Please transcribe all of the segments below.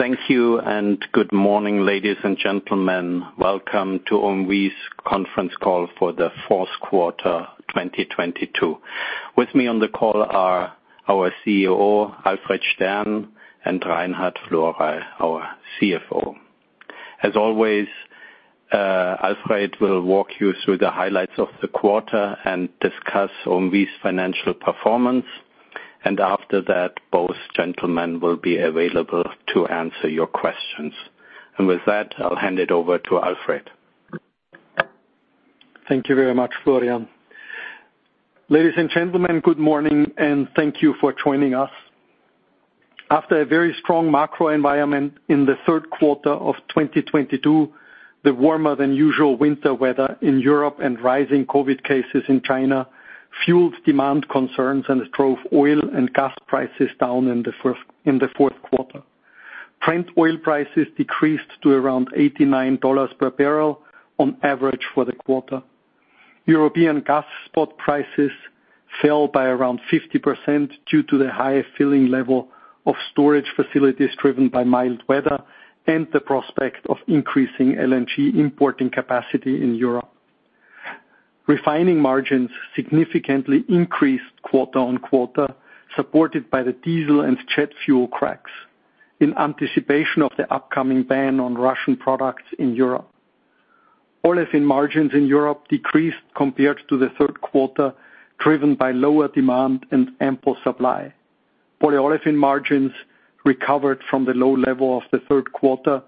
Thank you and good morning, ladies and gentlemen. Welcome to OMV's conference call for the Q4, 2022. With me on the call are our CEO, Alfred Stern, and Reinhard Florey, our CFO. As always, Alfred will walk you through the highlights of the quarter and discuss OMV's financial performance. After that, both gentlemen will be available to answer your questions. With that, I'll hand it over to Alfred. Thank you very much, Florian. Ladies and gentlemen, good morning. Thank you for joining us. After a very strong macro environment in the Q3 of 2022, the warmer than usual winter weather in Europe and rising COVID cases in China fueled demand concerns and drove oil and gas prices down in the Q4. Brent oil prices decreased to around $89 per barrel on average for the quarter. European gas spot prices fell by around 50% due to the high filling level of storage facilities driven by mild weather and the prospect of increasing LNG importing capacity in Europe. Refining margins significantly increased quarter-on-quarter, supported by the diesel and jet fuel cracks in anticipation of the upcoming ban on Russian products in Europe. Olefin margins in Europe decreased compared to the Q3, driven by lower demand and ample supply. Polyolefin margins recovered from the low level of the Q3,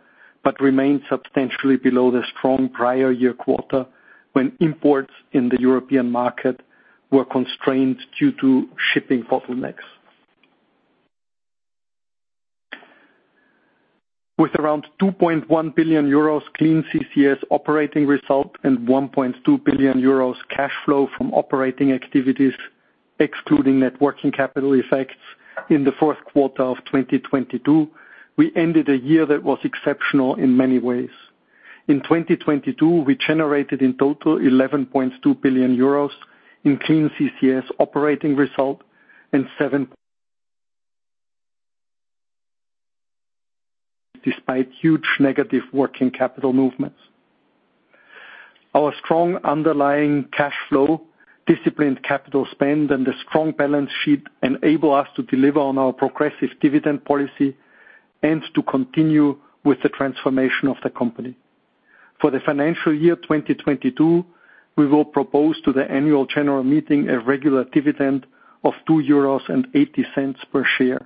remained substantially below the strong prior year quarter, when imports in the European market were constrained due to shipping bottlenecks. With around 2.1 billion euros Clean CCS operating result and 1.2 billion euros cash flow from operating activities, excluding net working capital effects in the Q4 of 2022, we ended a year that was exceptional in many ways. In 2022, we generated in total 11.2 billion euros in Clean CCS operating result and seven despite huge negative working capital movements. Our strong underlying cash flow, disciplined capital spend, and the strong balance sheet enable us to deliver on our progressive dividend policy and to continue with the transformation of the company. For the financial year 2022, we will propose to the annual general meeting a regular dividend of 2.80 euros per share,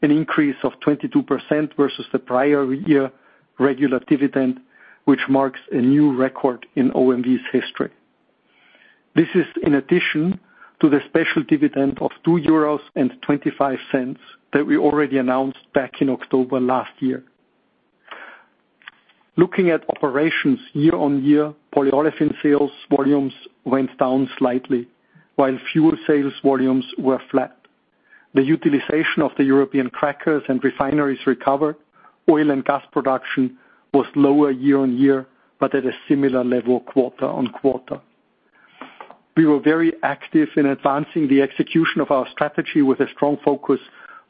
an increase of 22% versus the prior year regular dividend, which marks a new record in OMV's history. This is in addition to the special dividend of 2.25 euros that we already announced back in October last year. Looking at operations year-over-year, polyolefin sales volumes went down slightly, while fuel sales volumes were flat. The utilization of the European crackers and refineries recovered. Oil and gas production was lower year-over-year, but at a similar level quarter-over-quarter. We were very active in advancing the execution of our strategy with a strong focus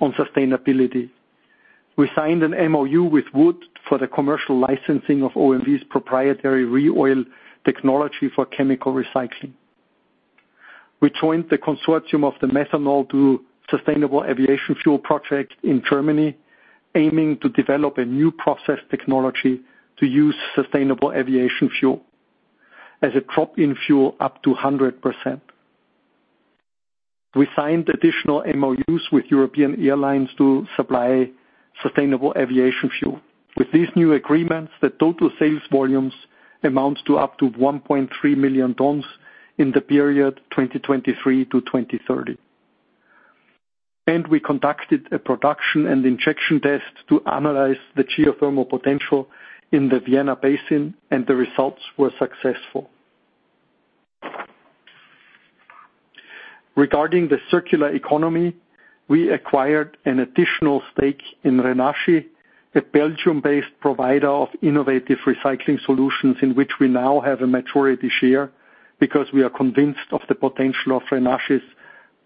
on sustainability. We signed an MOU with Wood for the commercial licensing of OMV's proprietary ReOil technology for chemical recycling. We joined the consortium of the methanol to sustainable aviation fuel project in Germany, aiming to develop a new process technology to use sustainable aviation fuel as a drop-in fuel up to 100%. We signed additional MOUs with European airlines to supply sustainable aviation fuel. With these new agreements, the total sales volumes amount to up to 1.3 million tons in the period 2023 to 2030. We conducted a production and injection test to analyze the geothermal potential in the Vienna Basin, and the results were successful. Regarding the circular economy, we acquired an additional stake in Renasci, a Belgium-based provider of innovative recycling solutions in which we now have a majority share because we are convinced of the potential of Renasci's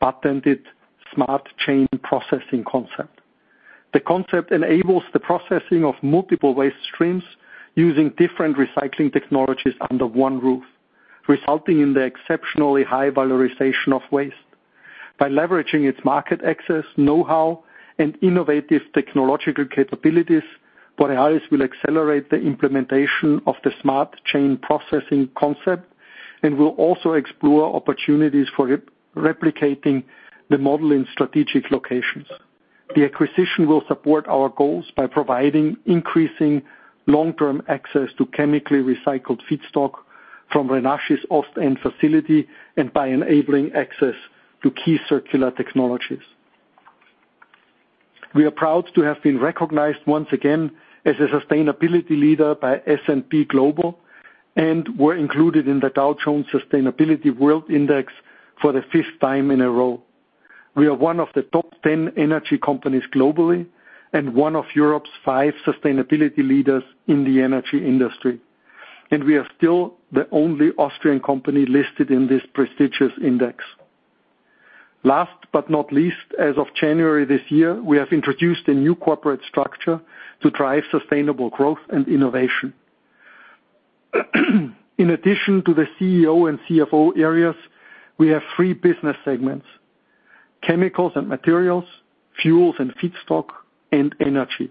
patented Smart Chain Processing concept. The concept enables the processing of multiple waste streams using different recycling technologies under one roof, resulting in the exceptionally high valorization of waste. By leveraging its market access, know-how, and innovative technological capabilities, Borealis will accelerate the implementation of the Smart Chain Processing concept and will also explore opportunities for replicating the model in strategic locations. The acquisition will support our goals by providing increasing long-term access to chemically recycled feedstock from Renasci's Ostend facility and by enabling access to key circular technologies. We are proud to have been recognized once again as a sustainability leader by S&P Global and were included in the Dow Jones Sustainability World Index for the fifth time in a row. We are one of the top 10 energy companies globally and one of Europe's 5 sustainability leaders in the energy industry. We are still the only Austrian company listed in this prestigious index. Last but not least, as of January this year, we have introduced a new corporate structure to drive sustainable growth and innovation. In addition to the CEO and CFO areas, we have 3 business segments, Chemicals and Materials, Fuels and Feedstock, and Energy.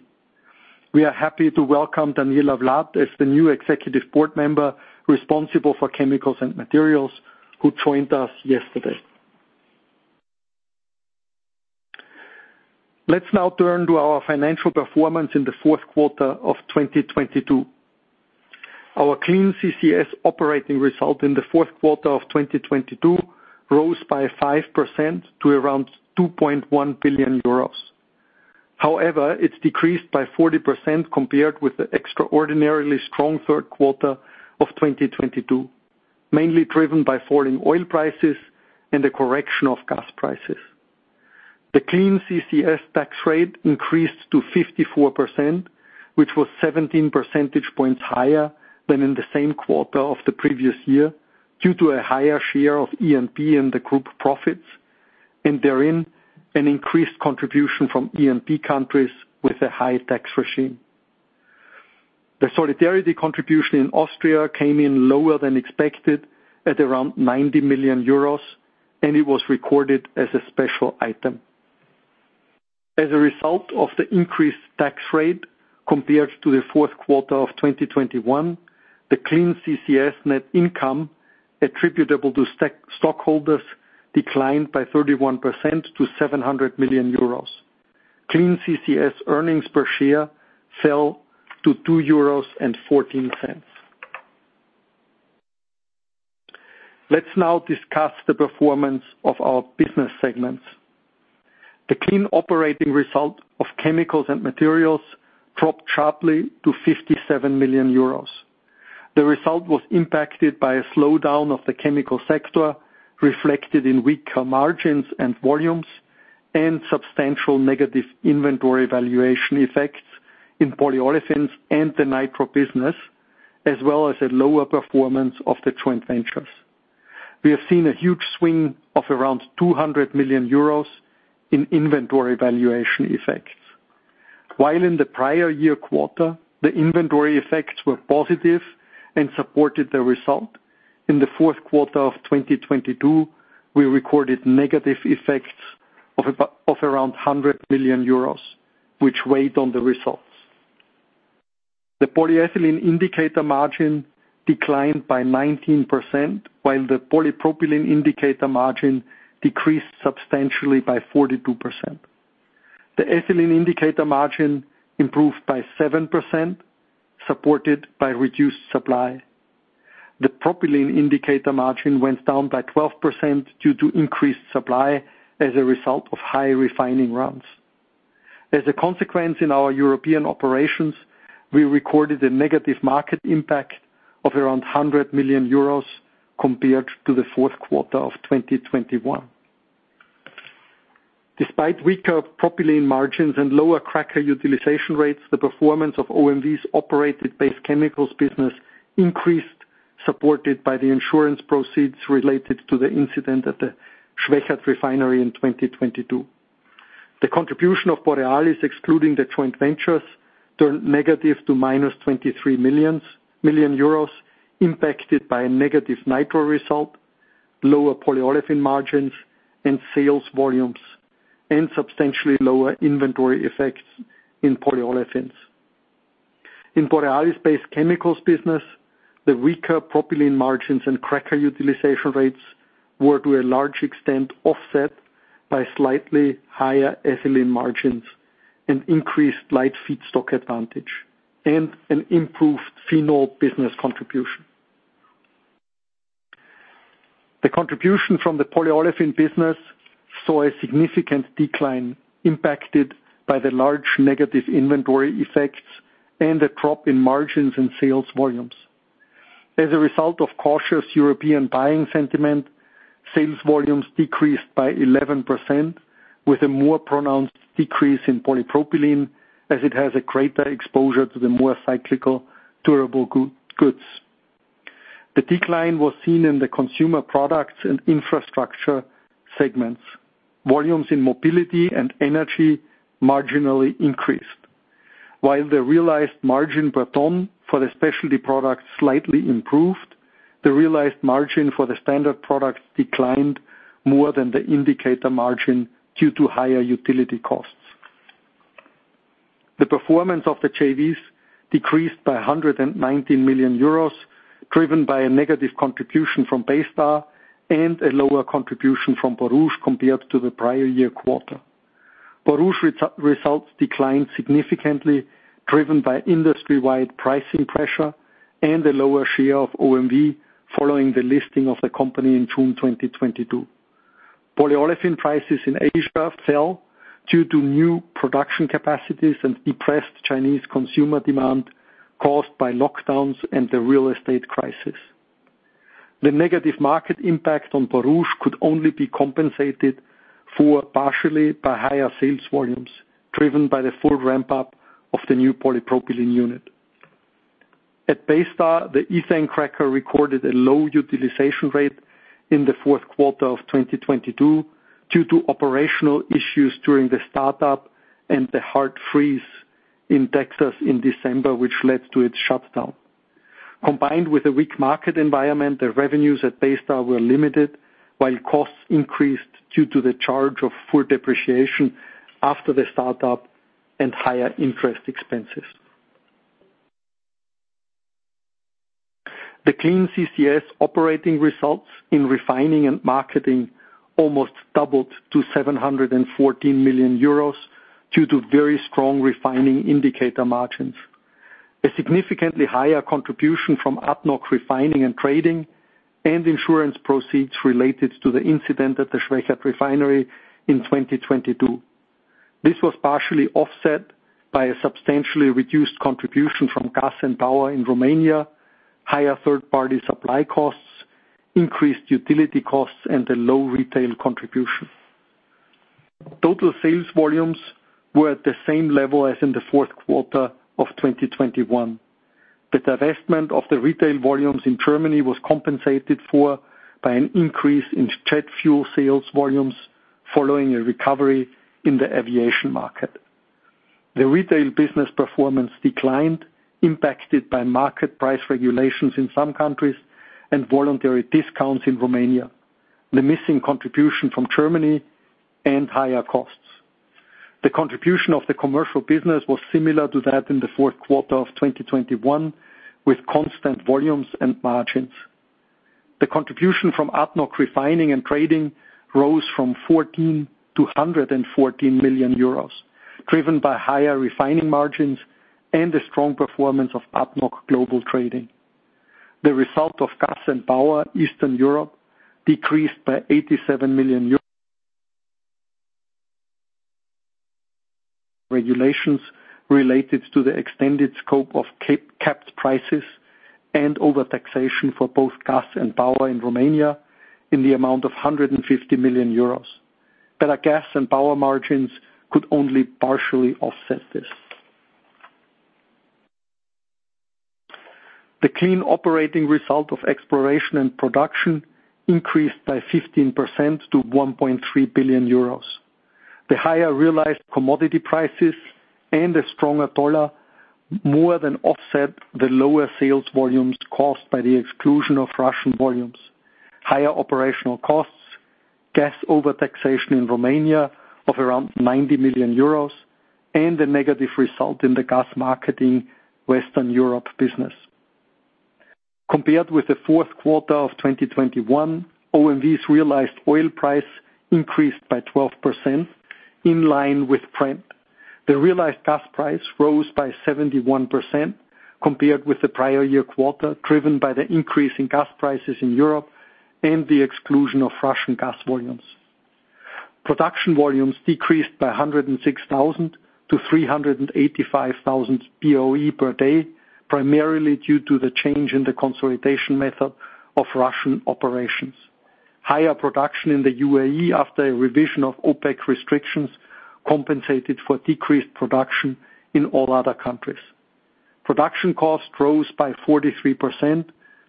We are happy to welcome Daniela Vlad as the new Executive Board Member responsible for Chemicals & Materials, who joined us yesterday. Let's now turn to our financial performance in the Q4 of 2022. Our Clean CCS Operating Result in the Q4 of 2022 rose by 5% to around 2.1 billion euros. It's decreased by 40% compared with the extraordinarily strong Q3 of 2022, mainly driven by falling oil prices and the correction of gas prices. The Clean CCS tax rate increased to 54%, which was 17 percentage points higher than in the same quarter of the previous year, due to a higher share of E&P in the group profits, and therein, an increased contribution from E&P countries with a high tax regime. The solidarity contribution in Austria came in lower than expected at around 90 million euros, and it was recorded as a special item. As a result of the increased tax rate compared to the Q4 of 2021, the Clean CCS net income attributable to stock holders declined by 31% to 700 million euros. Clean CCS Earnings Per Share fell to 2.14 euros. Let's now discuss the performance of our business segments. The Clean Operating Result of Chemicals & Materials dropped sharply to 57 million euros. The result was impacted by a slowdown of the chemical sector, reflected in weaker margins and volumes, and substantial negative inventory valuation effects in polyolefins and the Nitro business, as well as a lower performance of the joint ventures. We have seen a huge swing of around 200 million euros in inventory valuation effects. While in the prior year quarter, the inventory effects were positive and supported the result, in the Q4 of 2022, we recorded negative effects of around 100 million euros, which weighed on the results. The polyethylene indicator margin declined by 19%, while the polypropylene indicator margin decreased substantially by 42%. The ethylene indicator margin improved by 7%, supported by reduced supply. The propylene indicator margin went down by 12% due to increased supply as a result of high refining runs. In our European operations, we recorded a negative market impact of around 100 million euros compared to the Q4 of 2021. Despite weaker propylene margins and lower cracker utilization rates, the performance of OMV's operated-based chemicals business increased, supported by the insurance proceeds related to the incident at the Schwechat Refinery in 2022. The contribution of Borealis, excluding the joint ventures, turned negative to minus 23 million euros, impacted by a negative Nitro result, lower polyolefin margins and sales volumes, and substantially lower inventory effects in polyolefins. In Borealis-based chemicals business, the weaker propylene margins and cracker utilization rates were, to a large extent, offset by slightly higher ethylene margins and increased light feedstock advantage and an improved phenol business contribution. The contribution from the polyolefin business saw a significant decline impacted by the large negative inventory effects and a drop in margins and sales volumes. As a result of cautious European buying sentiment, sales volumes decreased by 11% with a more pronounced decrease in polypropylene as it has a greater exposure to the more cyclical durable goods. The decline was seen in the consumer products and infrastructure segments. Volumes in mobility and energy marginally increased. While the realized margin per ton for the specialty products slightly improved, the realized margin for the standard products declined more than the indicator margin due to higher utility costs. The performance of the JVs decreased by 119 million euros, driven by a negative contribution from Baystar, and a lower contribution from Borouge compared to the prior year quarter. Borouge results declined significantly, driven by industry-wide pricing pressure and a lower share of OMV following the listing of the company in June 2022. Polyolefin prices in Asia fell due to new production capacities and depressed Chinese consumer demand caused by lockdowns and the real estate crisis. The negative market impact on Borouge could only be compensated for partially by higher sales volumes, driven by the full ramp-up of the new polypropylene unit. At Baystar, the ethane cracker recorded a low utilization rate in the Q4 of 2022 due to operational issues during the startup and the hard freeze in Texas in December, which led to its shutdown. Combined with a weak market environment, the revenues at Baystar were limited, while costs increased due to the charge of full depreciation after the startup and higher interest expenses. The Clean CCS Operating Results in refining and marketing almost doubled to 714 million euros due to very strong refining indicator margins. A significantly higher contribution from ADNOC Refining and Trading and insurance proceeds related to the incident at the Schwechat refinery in 2022. This was partially offset by a substantially reduced contribution from Gas and Power in Romania, higher third-party supply costs, increased utility costs, and a low retail contribution. Total sales volumes were at the same level as in the Q4 2021. The divestment of the retail volumes in Germany was compensated for by an increase in jet fuel sales volumes following a recovery in the aviation market. The retail business performance declined, impacted by market price regulations in some countries and voluntary discounts in Romania, the missing contribution from Germany, and higher costs. The contribution of the commercial business was similar to that in the Q4 of 2021, with constant volumes and margins. The contribution from ADNOC Refining and Trading rose from 14 million euros to 114 million euros, driven by higher refining margins and the strong performance of ADNOC Global Trading. The result of Gas and Power Eastern Europe decreased by 87 million euros regulations related to the extended scope of capped prices and overtaxation for both Gas and Power in Romania in the amount of 150 million euros. Better Gas and Power margins could only partially offset this. The clean operating result of Exploration and Production increased by 15% to 1.3 billion euros. The higher realized commodity prices and a stronger dollar more than offset the lower sales volumes caused by the exclusion of Russian volumes, higher operational costs, gas overtaxation in Romania of around 90 million euros, and a negative result in the Gas Marketing Western Europe business. Compared with the Q4 2021, OMV's realized oil price increased by 12%, in line with trend. The realized gas price rose by 71% compared with the prior year quarter, driven by the increase in gas prices in Europe and the exclusion of Russian gas volumes. Production volumes decreased by 106,000 to 385,000 BOE per day, primarily due to the change in the consolidation method of Russian operations. Higher production in the UAE after a revision of OPEC restrictions compensated for decreased production in all other countries. Production cost rose by 43%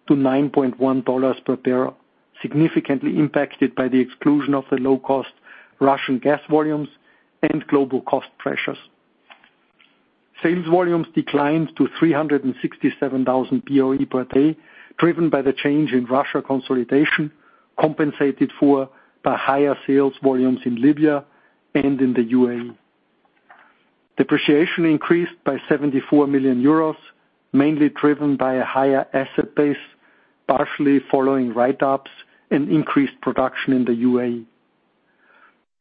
to $9.1 per barrel, significantly impacted by the exclusion of the low-cost Russian gas volumes and global cost pressures. Sales volumes declined to 367,000 BOE per day, driven by the change in Russia consolidation, compensated for by higher sales volumes in Libya and in the UAE. Depreciation increased by 74 million euros, mainly driven by a higher asset base, partially following write-ups and increased production in the UAE.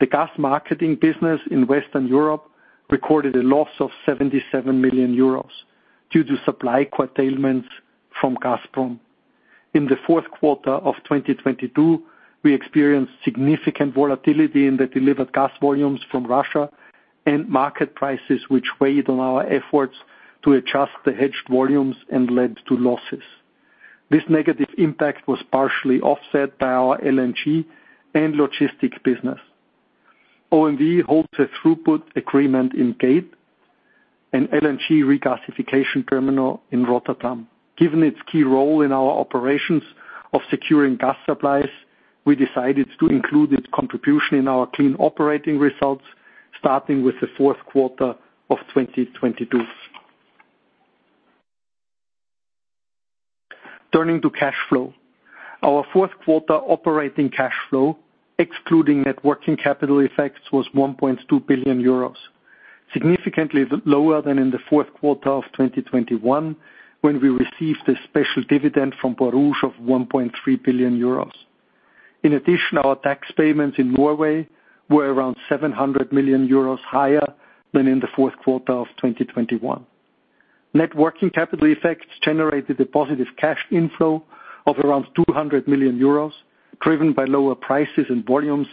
The gas marketing business in Western Europe recorded a loss of 77 million euros due to supply curtailments from Gazprom. In the Q4 of 2022, we experienced significant volatility in the delivered gas volumes from Russia and market prices, which weighed on our efforts to adjust the hedged volumes and led to losses. This negative impact was partially offset by our LNG and logistics business. OMV holds a throughput agreement in Gate, an LNG regasification terminal in Rotterdam. Given its key role in our operations of securing gas supplies, we decided to include its contribution in our clean operating results starting with the Q4 of 2022. Turning to cash flow. Our Q4 operating cash flow, excluding net working capital effects, was 1.2 billion euros. Significantly lower than in the Q4 of 2021, when we received a special dividend from Borouge of 1.3 billion euros. In addition, our tax payments in Norway were around 700 million euros higher than in the Q4 of 2021. Net working capital effects generated a positive cash inflow of around 200 million euros, driven by lower prices and volumes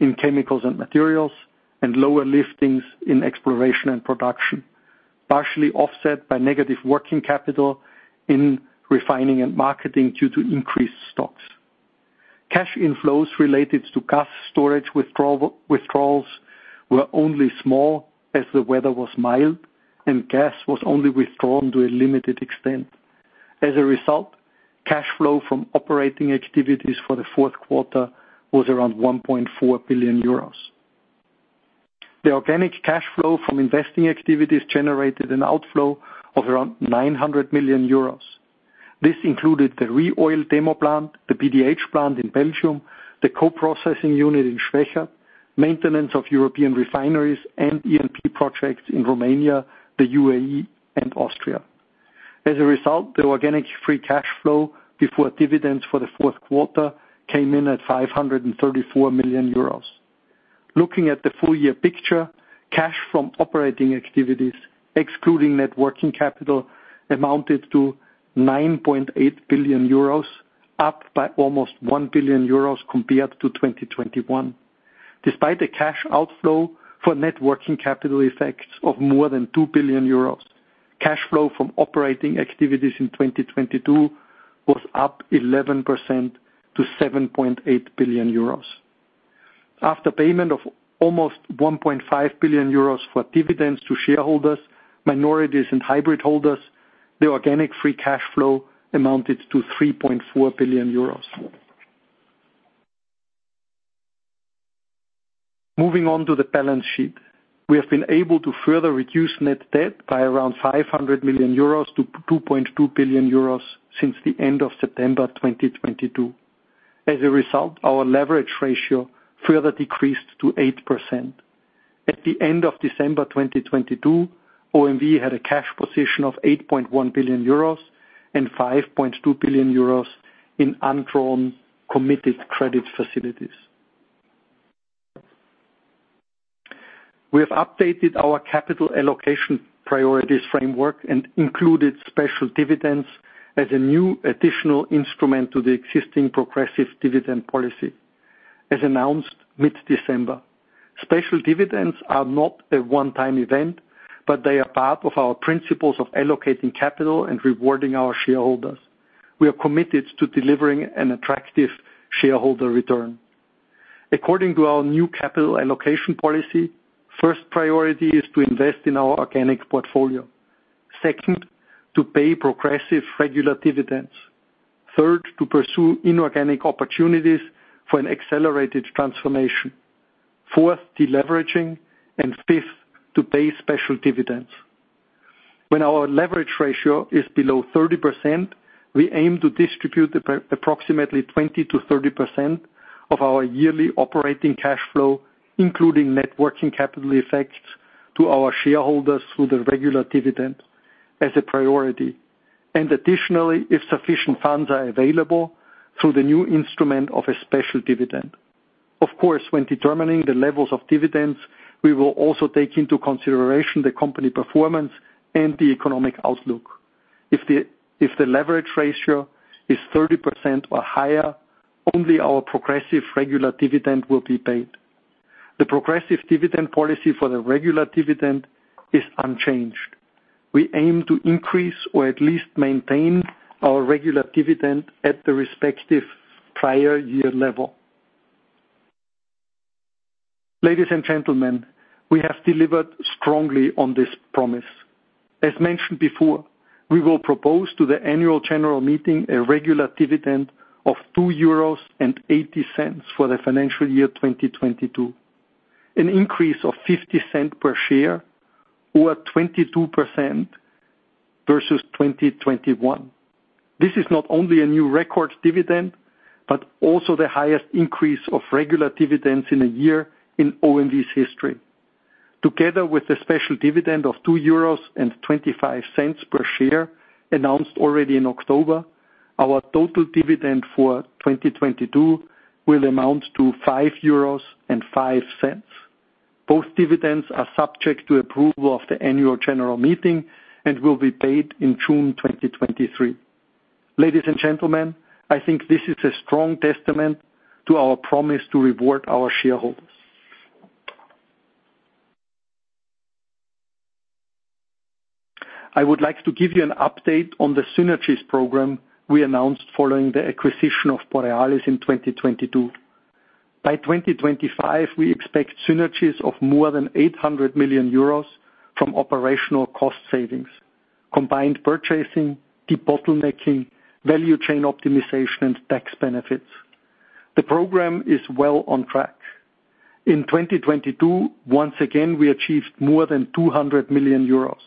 in Chemicals & Materials, and lower liftings in Exploration & Production, partially offset by negative working capital in refining and marketing due to increased stocks. Cash inflows related to gas storage withdrawals were only small as the weather was mild and gas was only withdrawn to a limited extent. A result, cash flow from operating activities for the Q4 was around 1.4 billion euros. The organic cash flow from investing activities generated an outflow of around 900 million euros. This included the ReOil demo plant, the PDH plant in Belgium, the co-processing unit in Schwechat, maintenance of European refineries, and E&P projects in Romania, the UAE, and Austria. As a result, the organic free cash flow before dividends for the Q4 came in at 534 million euros. Looking at the full year picture, cash from operating activities, excluding net working capital, amounted to 9.8 billion euros, up by almost 1 billion euros compared to 2021. Despite a cash outflow for net working capital effects of more than 2 billion euros, cash flow from operating activities in 2022 was up 11% to 7.8 billion euros. After payment of almost 1.5 billion euros for dividends to shareholders, minorities, and hybrid holders, the organic free cash flow amounted to 3.4 billion euros. Moving on to the balance sheet. We have been able to further reduce net debt by around 500 million euros to 2.2 billion euros since the end of September 2022. As a result, our leverage ratio further decreased to 8%. At the end of December 2022, OMV had a cash position of 8.1 billion euros and 5.2 billion euros in undrawn committed credit facilities. We have updated our capital allocation priorities framework and included special dividends as a new additional instrument to the existing progressive dividend policy, as announced mid-December. Special dividends are not a one-time event, but they are part of our principles of allocating capital and rewarding our shareholders. We are committed to delivering an attractive shareholder return. According to our new capital allocation policy, first priority is to invest in our organic portfolio. Second, to pay progressive regular dividends. Third, to pursue inorganic opportunities for an accelerated transformation. Fourth, deleveraging, and fifth, to pay special dividends. When our leverage ratio is below 30%, we aim to distribute approximately 20%-30% of our yearly operating cash flow, including net working capital effects to our shareholders through the regular dividend as a priority. Additionally, if sufficient funds are available through the new instrument of a special dividend. Of course, when determining the levels of dividends, we will also take into consideration the company performance and the economic outlook. If the leverage ratio is 30% or higher, only our progressive regular dividend will be paid. The progressive dividend policy for the regular dividend is unchanged. We aim to increase or at least maintain our regular dividend at the respective prior year level. Ladies and gentlemen, we have delivered strongly on this promise. As mentioned before, we will propose to the annual general meeting a regular dividend of 2.80 euros for the financial year 2022, an increase of 0.50 per share or 22% versus 2021. This is not only a new record dividend, but also the highest increase of regular dividends in a year in OMV's history. Together with the special dividend of 2.25 euros per share announced already in October, our total dividend for 2022 will amount to 5.05 euros. Both dividends are subject to approval of the annual general meeting and will be paid in June 2023. Ladies and gentlemen, I think this is a strong testament to our promise to reward our shareholders. I would like to give you an update on the synergies program we announced following the acquisition of Borealis in 2022. By 2025, we expect synergies of more than 800 million euros from operational cost savings, combined purchasing, debottlenecking, value chain optimization, and tax benefits. The program is well on track. In 2022, once again, we achieved more than 200 million euros.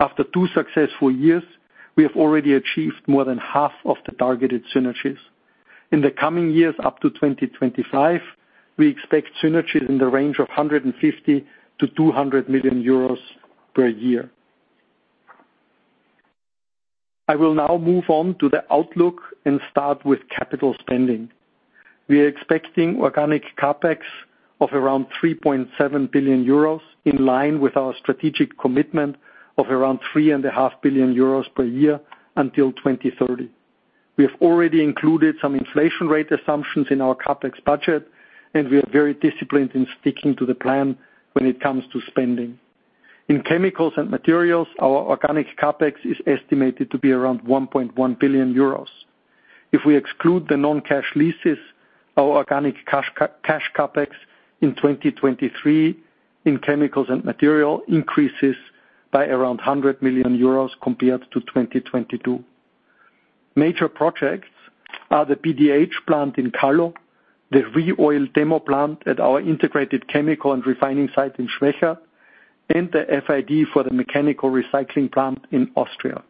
After two successful years, we have already achieved more than half of the targeted synergies. In the coming years up to 2025, we expect synergies in the range of 150 million-200 million euros per year. I will now move on to the outlook and start with capital spending. We are expecting organic CapEx of around 3.7 billion euros, in line with our strategic commitment of around three and a half billion euros per year until 2030. We have already included some inflation rate assumptions in our CapEx budget. We are very disciplined in sticking to the plan when it comes to spending. In Chemicals & Materials, our organic CapEx is estimated to be around 1.1 billion euros. If we exclude the non-cash leases, our organic cash CapEx in 2023 in Chemicals & Materials increases by around 100 million euros compared to 2022. Major projects are the PDH plant in Kallo, the ReOil demo plant at our integrated chemical and refining site in Schwechat, and the FID for the mechanical recycling plant in Austria.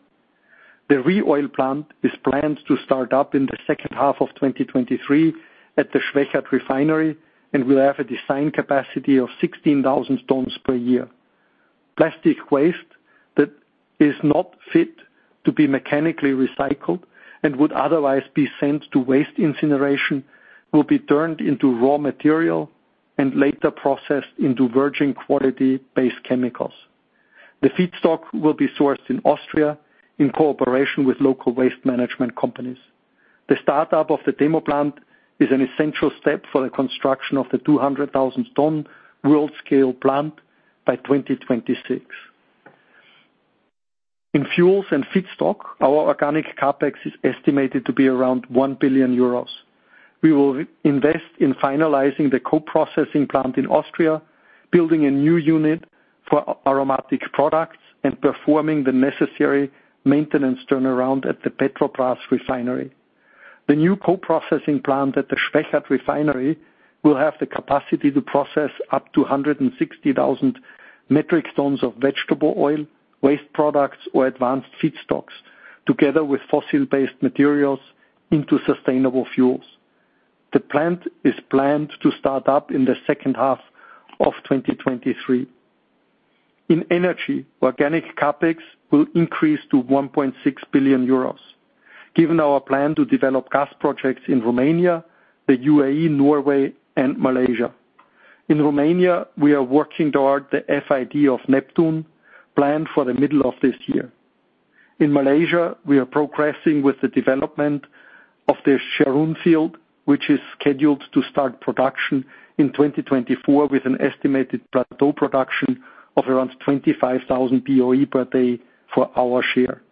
The ReOil plant is planned to start up in the second half of 2023 at the Schwechat refinery, will have a design capacity of 16,000 tons per year. Plastic waste that is not fit to be mechanically recycled and would otherwise be sent to waste incineration, will be turned into raw material and later processed into virgin-quality base chemicals. The feedstock will be sourced in Austria in cooperation with local waste management companies. The startup of the demo plant is an essential step for the construction of the 200,000 ton world-scale plant by 2026. In fuels and feedstock, our organic CapEx is estimated to be around 1 billion euros. We will invest in finalizing the co-processing plant in Austria, building a new unit for aromatic products, and performing the necessary maintenance turnaround at the Petrobrazi refinery. The new co-processing plant at the Schwechat refinery will have the capacity to process up to 160,000 metric tons of vegetable oil, waste products, or advanced feedstocks, together with fossil-based materials into sustainable fuels. The plant is planned to start up in the second half of 2023. In energy, organic CapEx will increase to 1.6 billion euros, given our plan to develop gas projects in Romania, the UAE, Norway, and Malaysia. In Romania, we are working toward the FID of Neptun, planned for the middle of this year. In Malaysia, we are progressing with the development of the Jerun field, which is scheduled to start production in 2024 with an estimated plateau production of around 25,000 BOE per day for our share.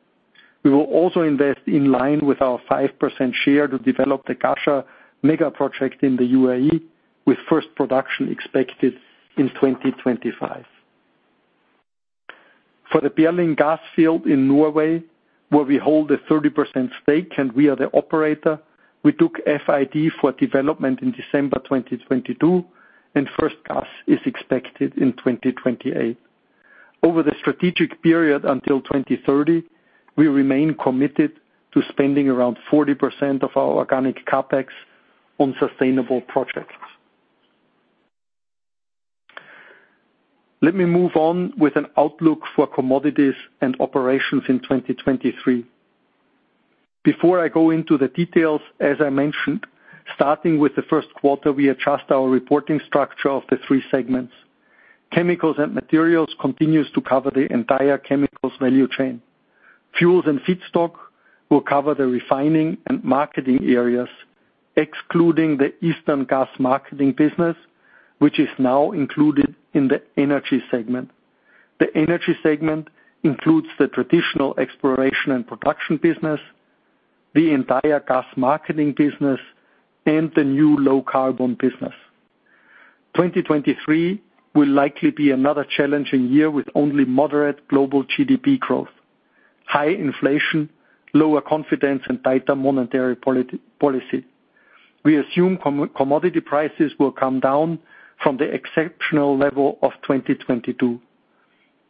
We will also invest in line with our 5% share to develop the Ghasha megaproject in the UAE, with first production expected in 2025. For the Berling gas field in Norway, where we hold a 30% stake and we are the operator, we took FID for development in December 2022, and first gas is expected in 2028. Over the strategic period until 2030, we remain committed to spending around 40% of our organic CapEx on sustainable projects. Let me move on with an outlook for commodities and operations in 2023. Before I go into the details, as I mentioned, starting with the Q1, we adjust our reporting structure of the three segments. Chemicals and Materials continues to cover the entire chemicals value chain. Fuels and Feedstock will cover the refining and marketing areas, excluding the Eastern Gas marketing business, which is now included in the Energy segment. The Energy segment includes the traditional exploration and production business, the entire gas marketing business, and the new low-carbon business. 2023 will likely be another challenging year with only moderate global GDP growth, high inflation, lower confidence, and tighter monetary policy. We assume commodity prices will come down from the exceptional level of 2022.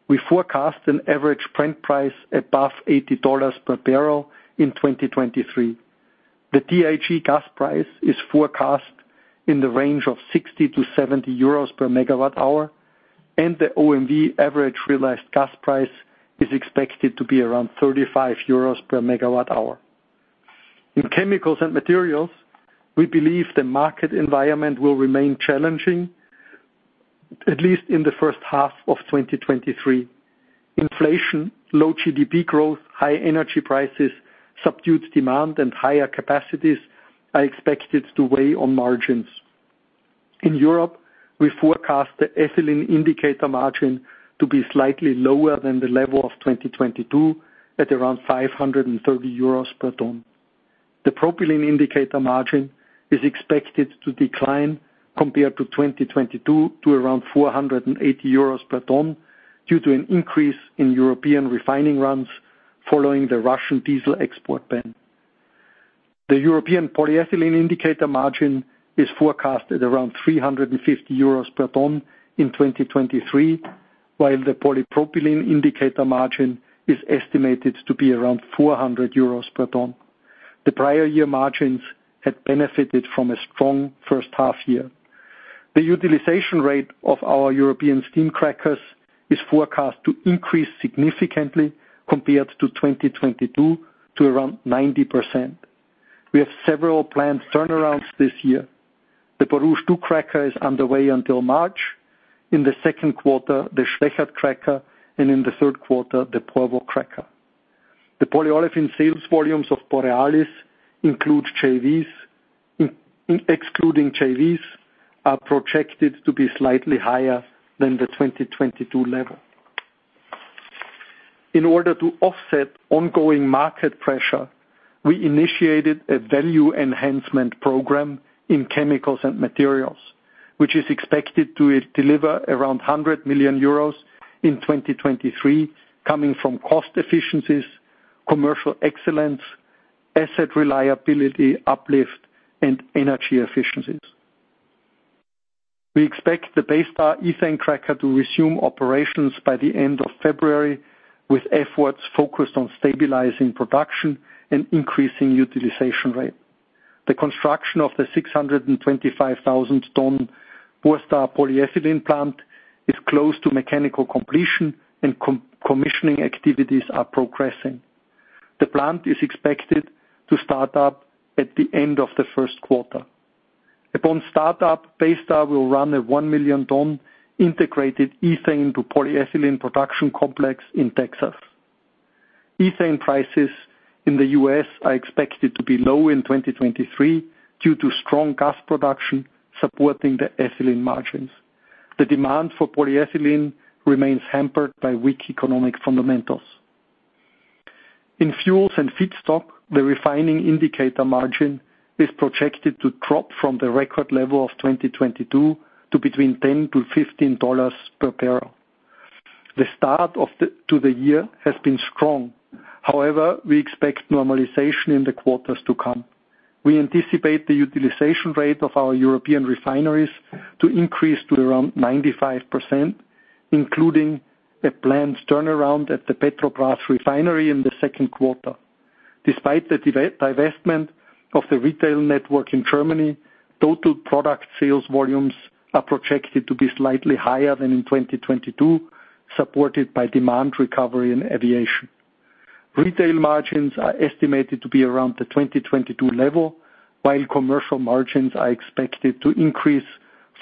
We forecast an average Brent price above $80 per barrel in 2023. The TTF gas price is forecast in the range of 60-70 euros per megawatt hour, and the OMV average realized gas price is expected to be around 35 euros per megawatt hour. In Chemicals & Materials, we believe the market environment will remain challenging, at least in the first half of 2023. Inflation, low GDP growth, high energy prices, subdued demand, and higher capacities are expected to weigh on margins. In Europe, we forecast the ethylene indicator margin to be slightly lower than the level of 2022, at around 530 euros per ton. The propylene indicator margin is expected to decline compared to 2022 to around 480 euros per ton due to an increase in European refining runs following the Russian diesel export ban. The European polyethylene indicator margin is forecasted around 350 euros per ton in 2023, while the polypropylene indicator margin is estimated to be around 400 euros per ton. The prior year margins had benefited from a strong first half year. The utilization rate of our European steam crackers is forecast to increase significantly compared to 2022 to around 90%. We have several planned turnarounds this year. The Borstar II cracker is underway until March. In the Q2, the Schwechat cracker, and in the Q3, the Porvoo cracker. The polyolefin sales volumes of Borealis excluding JVs, are projected to be slightly higher than the 2022 level. In order to offset ongoing market pressure, we initiated a value enhancement program in Chemicals & Materials, which is expected to deliver around 100 million euros in 2023, coming from cost efficiencies, commercial excellence, asset reliability, uplift, and energy efficiencies. We expect the Baystar ethane cracker to resume operations by the end of February, with efforts focused on stabilizing production and increasing utilization rate. The construction of the 625,000 ton Borstar polyethylene plant is close to mechanical completion, and commissioning activities are progressing. The plant is expected to start up at the end of the Q1. Upon startup, Baystar will run a 1 million tons integrated ethane to polyethylene production complex in Texas. Ethane prices in the US are expected to be low in 2023 due to strong gas production supporting the ethylene margins. The demand for polyethylene remains hampered by weak economic fundamentals. In fuels and feedstock, the refining indicator margin is projected to drop from the record level of 2022 to between $10-$15 per barrel. The start to the year has been strong. However, we expect normalization in the quarters to come. We anticipate the utilization rate of our European refineries to increase to around 95%, including a planned turnaround at the Petrobrazi refinery in the Q2. Despite the divestment of the retail network in Germany, total product sales volumes are projected to be slightly higher than in 2022, supported by demand recovery and aviation. Retail margins are estimated to be around the 2022 level, while commercial margins are expected to increase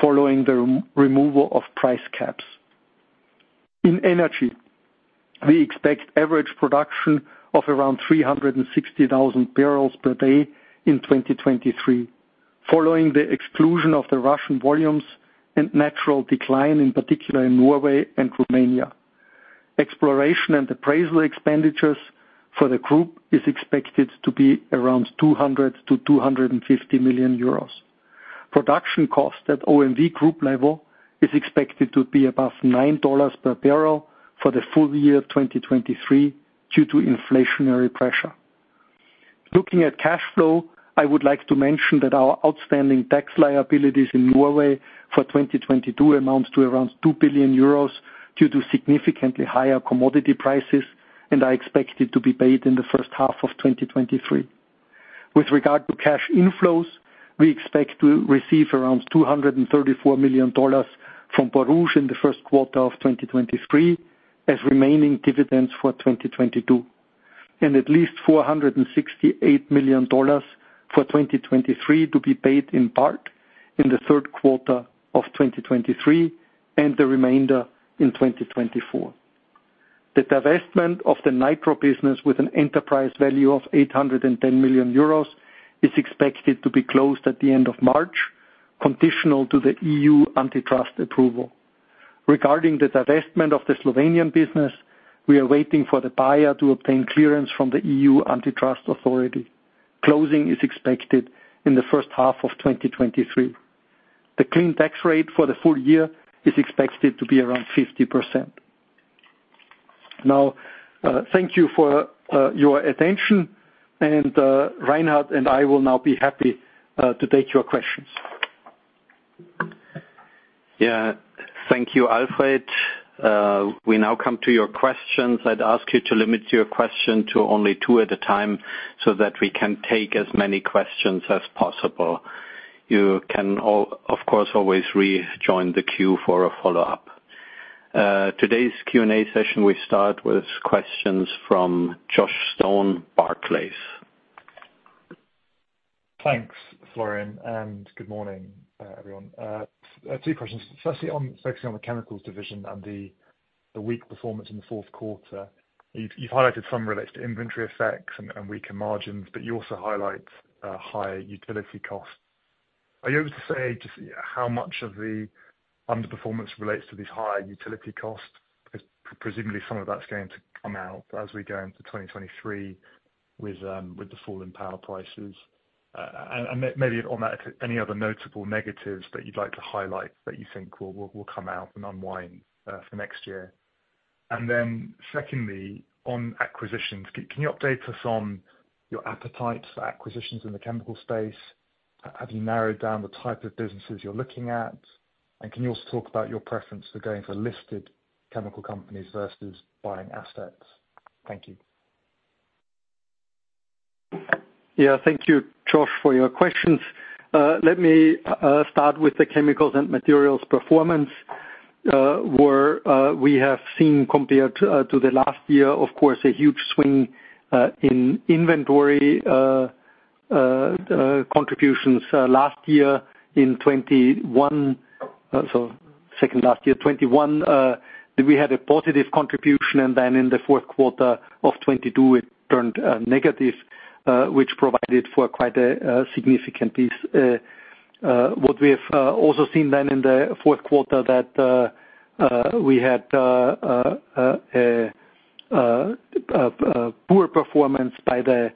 following the removal of price caps. In energy, we expect average production of around 360,000 barrels per day in 2023, following the exclusion of the Russian volumes and natural decline, in particular in Norway and Romania. Exploration and appraisal expenditures for the group is expected to be around 200 million-250 million euros. Production costs at OMV group level is expected to be above $9 per barrel for the full year of 2023 due to inflationary pressure. Looking at cash flow, I would like to mention that our outstanding tax liabilities in Norway for 2022 amounts to around 2 billion euros due to significantly higher commodity prices and are expected to be paid in the first half of 2023. With regard to cash inflows, we expect to receive around $234 million from Borouge in the Q1 of 2023 as remaining dividends for 2022, and at least $468 million for 2023 to be paid in part in the Q3 of 2023, and the remainder in 2024. The divestment of the Nitro business with an enterprise value of 810 million euros is expected to be closed at the end of March, conditional to the EU antitrust approval. Regarding the divestment of the Slovenian business, we are waiting for the buyer to obtain clearance from the EU antitrust authority. Closing is expected in the first half of 2023. The clean tax rate for the full year is expected to be around 50%. Now, thank you for your attention, and Reinhard and I will now be happy to take your questions. Thank you, Alfred. We now come to your questions. I'd ask you to limit your question to only two at a time, so that we can take as many questions as possible. You can of course, always rejoin the queue for a follow-up. Today's Q&A session, we start with questions from Joshua Stone, Barclays. Thanks, Florian. Good morning, everyone. I have 2 questions. Firstly, focusing on the chemicals division and the weak performance in the Q4. You've highlighted some relates to inventory effects and weaker margins, but you also highlight higher utility costs. Are you able to say just how much of the underperformance relates to these higher utility costs? Cause presumably some of that's going to come out as we go into 2023 with the fall in power prices. Maybe on that, any other notable negatives that you'd like to highlight that you think will come out and unwind for next year? Secondly, on acquisitions, can you update us on your appetite for acquisitions in the chemical space? Have you narrowed down the type of businesses you're looking at? Can you also talk about your preference for going for listed chemical companies versus buying assets? Thank you. Yeah. Thank you, Joshua, for your questions. let me start with the Chemicals & Materials performance, where we have seen compared to the last year, of course, a huge swing in inventory. Contributions last year in 2021, so second last year, 2021, we had a positive contribution, and then in the Q4 of 2022 it turned negative, which provided for quite a significant piece. What we have also seen then in the Q4 that we had a poor performance by the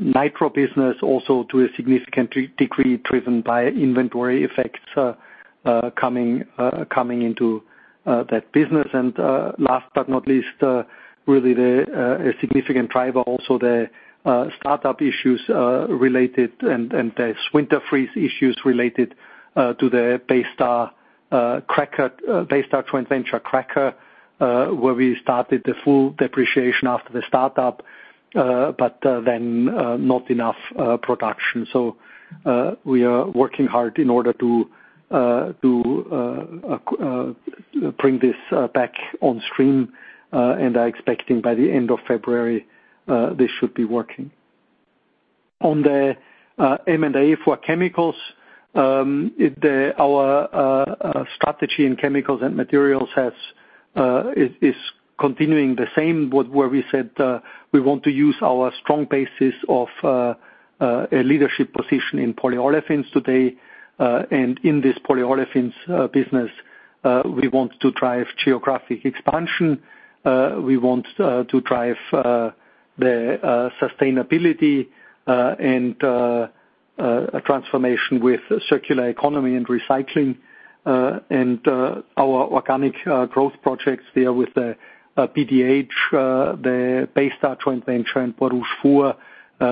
Nitro business also to a significant degree driven by inventory effects coming into that business. Last but not least, really the significant driver also the startup issues related and the winter freeze issues related to the Baystar joint venture cracker, where we started the full depreciation after the startup, but then not enough production. We are working hard in order to bring this back on stream and are expecting by the end of February, this should be working. On the M&A for chemicals, our strategy in chemicals and materials is continuing the same. Where we said, we want to use our strong basis of a leadership position in polyolefins today. In this polyolefins business, we want to drive geographic expansion. We want to drive the sustainability and transformation with circular economy and recycling. Our organic growth projects there with the PDH, the Baystar joint venture in Borouge,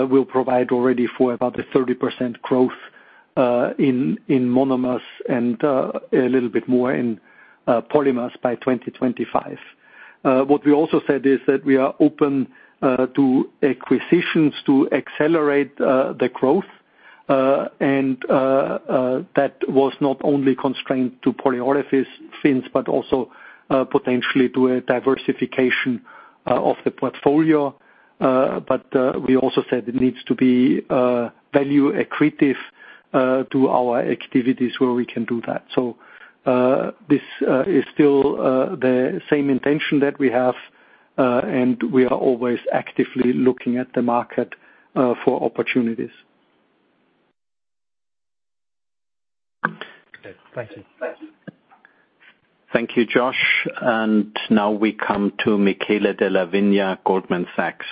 will provide already for about a 30% growth in monomers and a little bit more in polymers by 2025. What we also said is that we are open to acquisitions to accelerate the growth. That was not only constrained to polyolefins, but also potentially to a diversification of the portfolio. We also said it needs to be value accretive to our activities where we can do that. This is still the same intention that we have, and we are always actively looking at the market for opportunities. Thank you. Thank you, Joshua. Now we come to Michele Della Vigna, Goldman Sachs.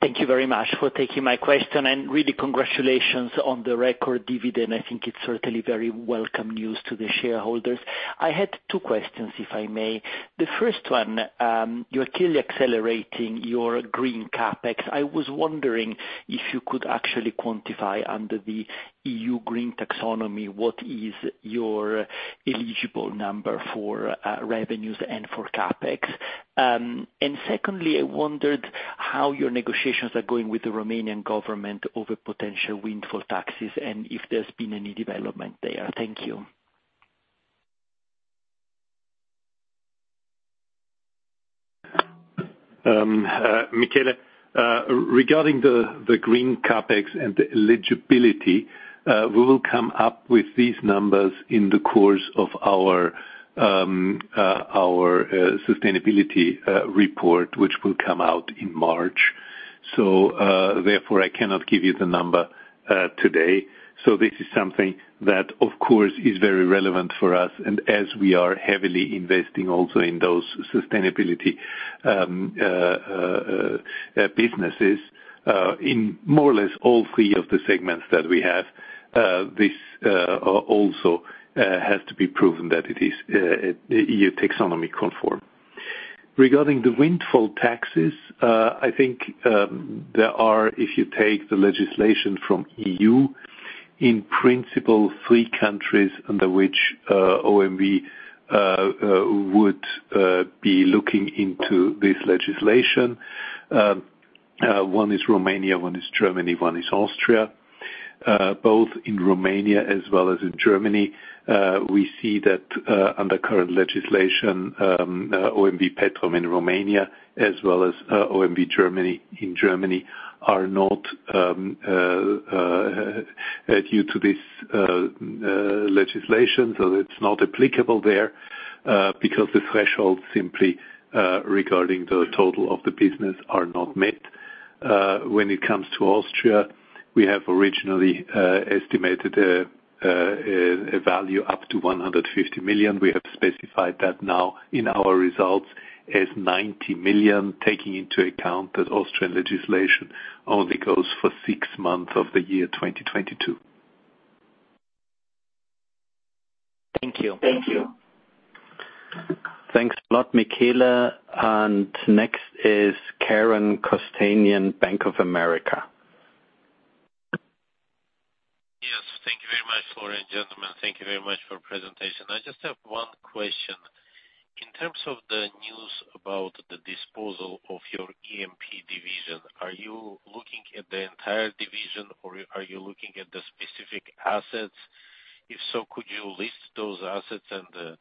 Thank you very much for taking my question, and really congratulations on the record dividend. I think it's certainly very welcome news to the shareholders. I had two questions, if I may. The first one, you're clearly accelerating your green CapEx. I was wondering if you could actually quantify under the EU green taxonomy, what is your eligible number for revenues and for CapEx? Secondly, I wondered how your negotiations are going with the Romanian government over potential windfall taxes and if there's been any development there. Thank you. Michele, regarding the green CAPEX and the eligibility, we will come up with these numbers in the course of our sustainability report, which will come out in March. Therefore, I cannot give you the number today. This is something that of course is very relevant for us and as we are heavily investing also in those sustainability businesses, in more or less all three of the segments that we have, this also has to be proven that it is EU taxonomy conform. Regarding the windfall taxes, I think, there are, if you take the legislation from EU, in principle, three countries under which OMV would be looking into this legislation. One is Romania, one is Germany, one is Austria. Both in Romania as well as in Germany, we see that under current legislation, OMV Petrom in Romania as well as OMV Germany in Germany are not due to this legislation. It's not applicable there because the thresholds simply regarding the total of the business are not met. When it comes to Austria, we have originally estimated a value up to 150 million. We have specified that now in our results as 90 million, taking into account that Austrian legislation only goes for six months of the year 2022. Thank you. Thanks a lot, Michele. Next is Karen Kostanian, Bank of America. Yes. Thank you very much, Florian. Gentlemen, thank you very much for presentation. I just have one question. In terms of the news about the disposal of your E&P division, are you looking at the entire division or are you looking at the specific assets? If so, could you list those assets and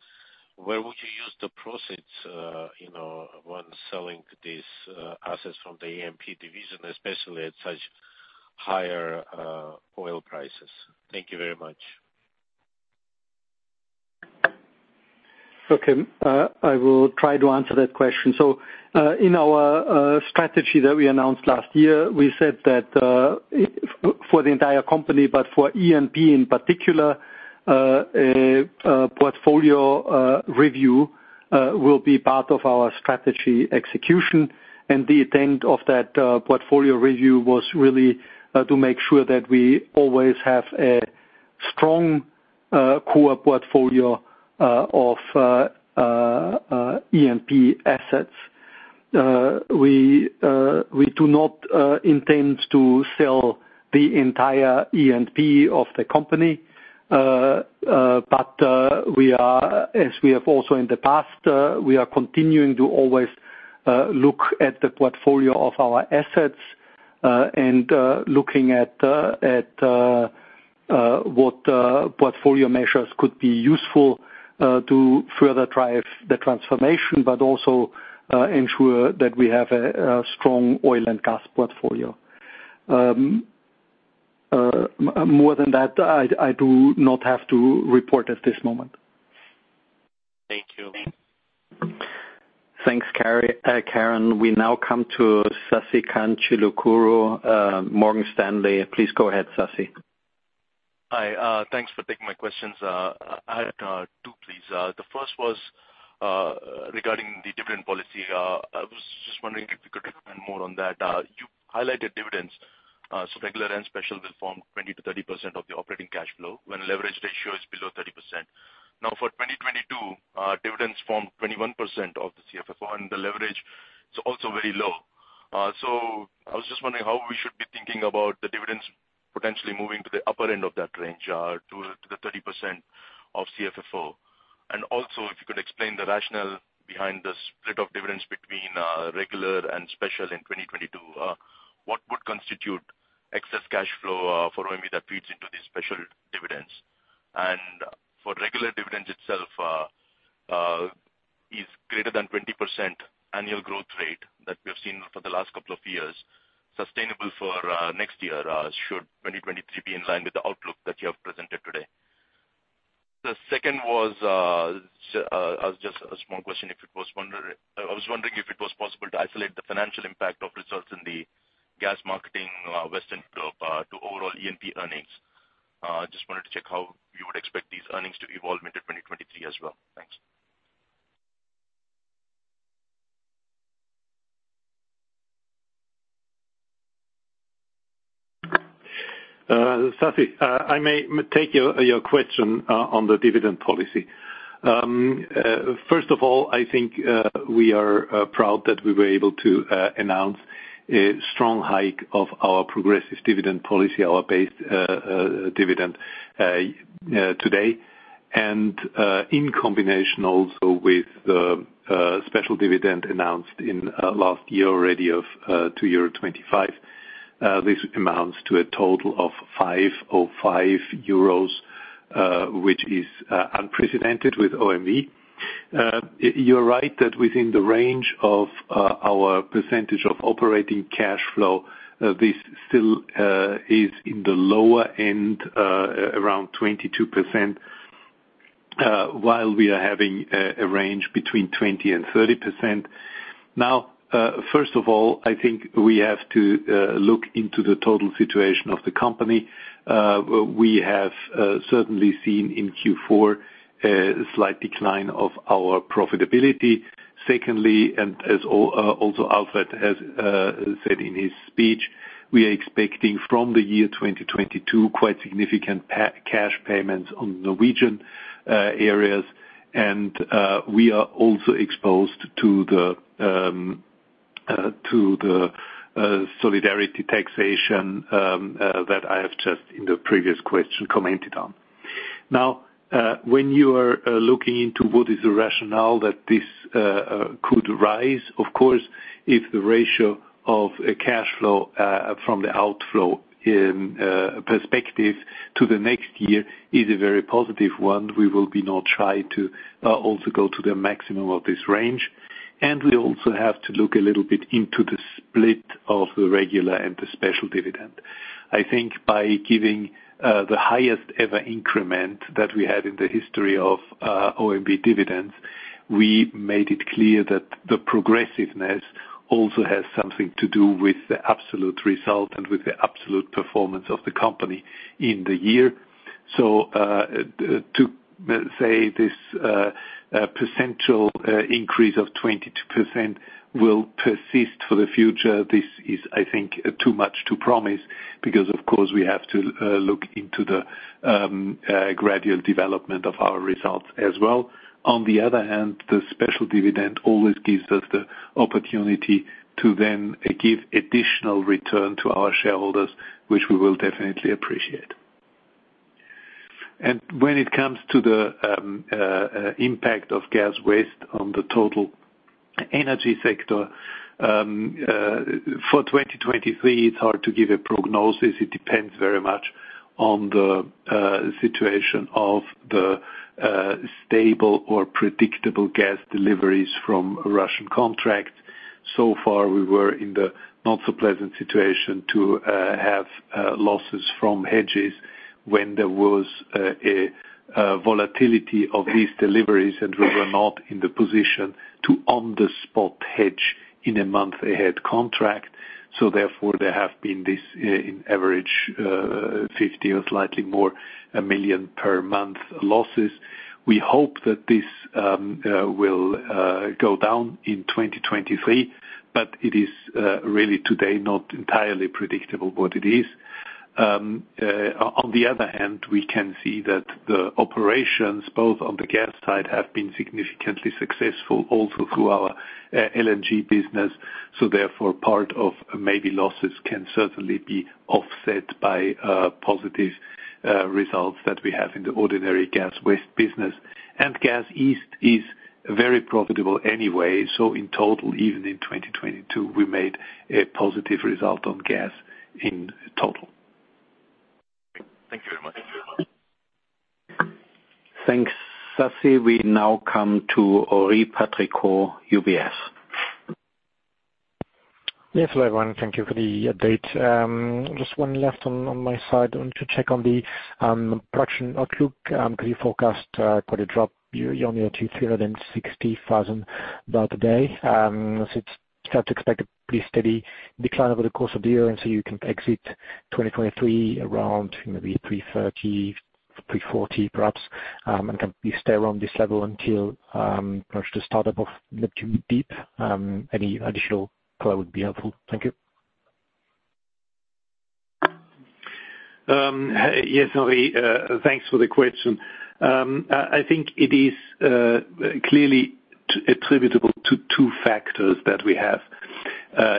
where would you use the proceeds, you know, when selling these assets from the E&P division, especially at such higher oil prices? Thank you very much. I will try to answer that question. In our strategy that we announced last year, we said that for the entire company, but for E&P in particular, a portfolio review will be part of our strategy execution. The intent of that portfolio review was really to make sure that we always have a strong core portfolio of E&P assets. We do not intend to sell the entire E&P of the company. We are, as we have also in the past, we are continuing to always look at the portfolio of our assets, and looking at what portfolio measures could be useful to further drive the transformation, but also ensure that we have a strong oil and gas portfolio. More than that, I do not have to report at this moment. Thank you. Thanks, Karen. We now come to Sasikanth Chilukuru, Morgan Stanley. Please go ahead, Sasi. Hi, thanks for taking my questions. I had two, please. The first was regarding the dividend policy. I was just wondering if you could expand more on that. You highlighted dividends, regular and special will form 20%-30% of the operating cash flow when leverage ratio is below 30%. Now for 2022, dividends form 21% of the CFFO, and the leverage is also very low. I was just wondering how we should be thinking about the dividends potentially moving to the upper end of that range, to the 30% of CFFO. If you could explain the rationale behind the split of dividends between regular and special in 2022. What would constitute excess cash flow for OMV that feeds into the special dividends? For regular dividends itself, is greater than 20% annual growth rate that we have seen for the last couple of years sustainable for next year, should 2023 be in line with the outlook that you have presented today? The second was just a small question, I was wondering if it was possible to isolate the financial impact of results in the gas marketing, Western Europe, to overall E&P earnings. Just wanted to check how you would expect these earnings to evolve into 2023 as well. Thanks. Sasi, I may take your question on the dividend policy. First of all, I think we are proud that we were able to announce a strong hike of our progressive dividend policy, our base dividend today. In combination also with the special dividend announced last year already of 2.25 euro. This amounts to a total of 5 euros, which is unprecedented with OMV. You're right that within the range of our percentage of operating cash flow, this still is in the lower end, around 22%, while we are having a range between 20% and 30%. First of all, I think we have to look into the total situation of the company. We have certainly seen in Q4 a slight decline of our profitability. Secondly, as Alfred has said in his speech, we are expecting from the year 2022, quite significant cash payments on Norwegian areas. We are also exposed to the solidarity taxation that I have just in the previous question commented on. When you are looking into what is the rationale that this could rise, of course, if the ratio of a cash flow from the outflow in perspective to the next year is a very positive one, we will be now try to also go to the maximum of this range. We also have to look a little bit into the split of the regular and the special dividend. I think by giving the highest ever increment that we had in the history of OMV dividends, we made it clear that the progressiveness also has something to do with the absolute result and with the absolute performance of the company in the year. To say this percental increase of 22% will persist for the future, this is, I think, too much to promise, because of course, we have to look into the gradual development of our results as well. On the other hand, the special dividend always gives us the opportunity to then give additional return to our shareholders, which we will definitely appreciate. When it comes to the impact of gas waste on the total-Energy sector for 2023, it's hard to give a prognosis. It depends very much on the situation of the stable or predictable gas deliveries from Russian contracts. Far, we were in the not-so-pleasant situation to have losses from hedges when there was a volatility of these deliveries, and we were not in the position to on-the-spot hedge in a month-ahead contract. Therefore, there have been this in average, 50 or slightly more 1 million per month losses. We hope that this will go down in 2023, but it is really today not entirely predictable what it is. On the other hand, we can see that the operations, both on the gas side, have been significantly successful also through our LNG business. Part of maybe losses can certainly be offset by positive results that we have in the ordinary gas west business. Gas east is very profitable anyway, so in total, even in 2022, we made a positive result on gas in total. Thank you very much. Thanks, Sasi. We now come to Henri Patricot, UBS. Yes, hello, everyone. Thank you for the update. Just one last on my side. I want to check on the production outlook, can you forecast for the drop, you only achieve 360,000 barrel a day? It's hard to expect a pretty steady decline over the course of the year, you can exit 2023 around maybe 330, 340 perhaps. Can you stay around this level until approach the start-up of Neptun Deep? Any additional color would be helpful. Thank you. Yes, Henri, thanks for the question. I think it is clearly attributable to 2 factors that we have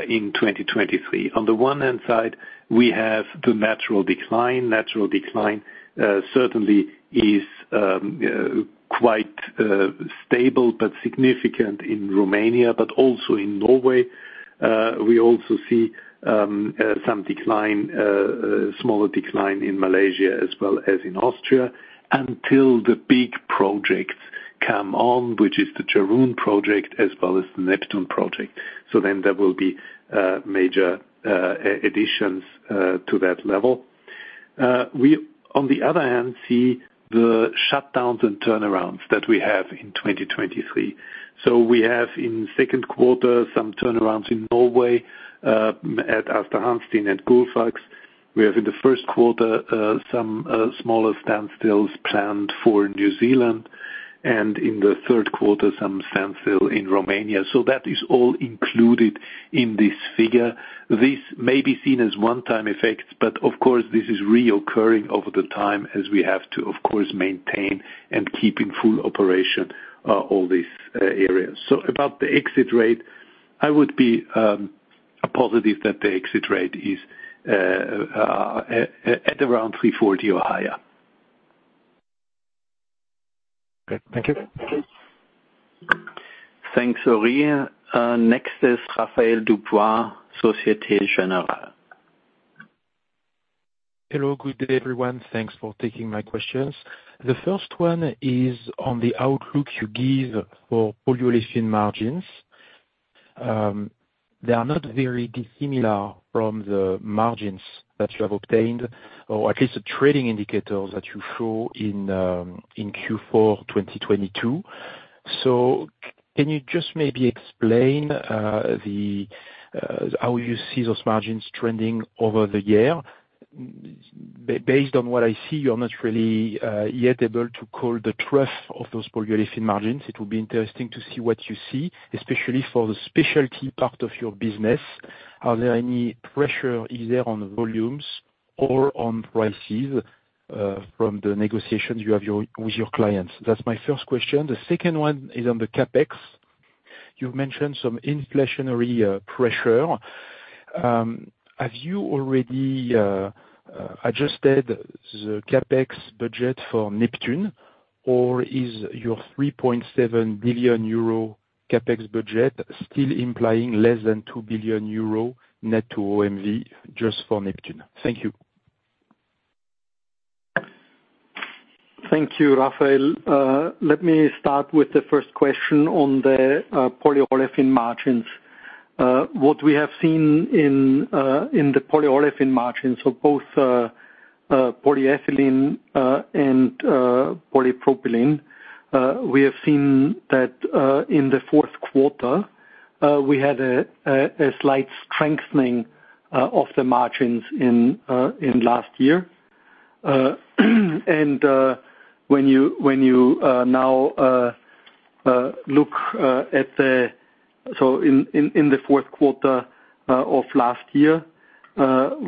in 2023. On the one hand side, we have the natural decline. Natural decline certainly is quite stable but significant in Romania, but also in Norway. We also see some decline, smaller decline in Malaysia as well as in Austria. Until the big projects come on, which is the Jerun project as well as the Neptun project. There will be major additions to that level. We, on the other hand, see the shutdowns and turnarounds that we have in 2023. We have in 2Q some turnarounds in Norway at Aasta Hansteen and Gullfaks. We have in the Q1, some smaller standstills planned for New Zealand, and in the Q3, some standstill in Romania. That is all included in this figure. This may be seen as one-time effects, but of course, this is reoccurring over the time as we have to, of course, maintain and keep in full operation, all these areas. About the exit rate, I would be positive that the exit rate is at around 340 or higher. Okay. Thank you. Thanks, Henri. Next is Raphaël Dubois, Société Générale. Hello. Good day, everyone. Thanks for taking my questions. The first one is on the outlook you give for polyolefin margins. They are not very dissimilar from the margins that you have obtained, or at least the trading indicators that you show in Q4 2022. Can you just maybe explain the how you see those margins trending over the year? Based on what I see, you're not really yet able to call the truth of those polyolefin margins. It will be interesting to see what you see, especially for the specialty part of your business. Are there any pressure, either on volumes or on prices, from the negotiations you have with your clients? That's my first question. The second one is on the CapEx. You've mentioned some inflationary pressure. Have you already adjusted the CapEx budget for Neptun, or is your 3.7 billion euro CapEx budget still implying less than 2 billion euro net to OMV just for Neptun? Thank you. Thank you, Raphael. Let me start with the first question on the polyolefin margins. What we have seen in the polyolefin margins, so both polyethylene and polypropylene, we have seen that in the Q4, we had a slight strengthening of the margins in last year. When you now look at the Q4 of last year,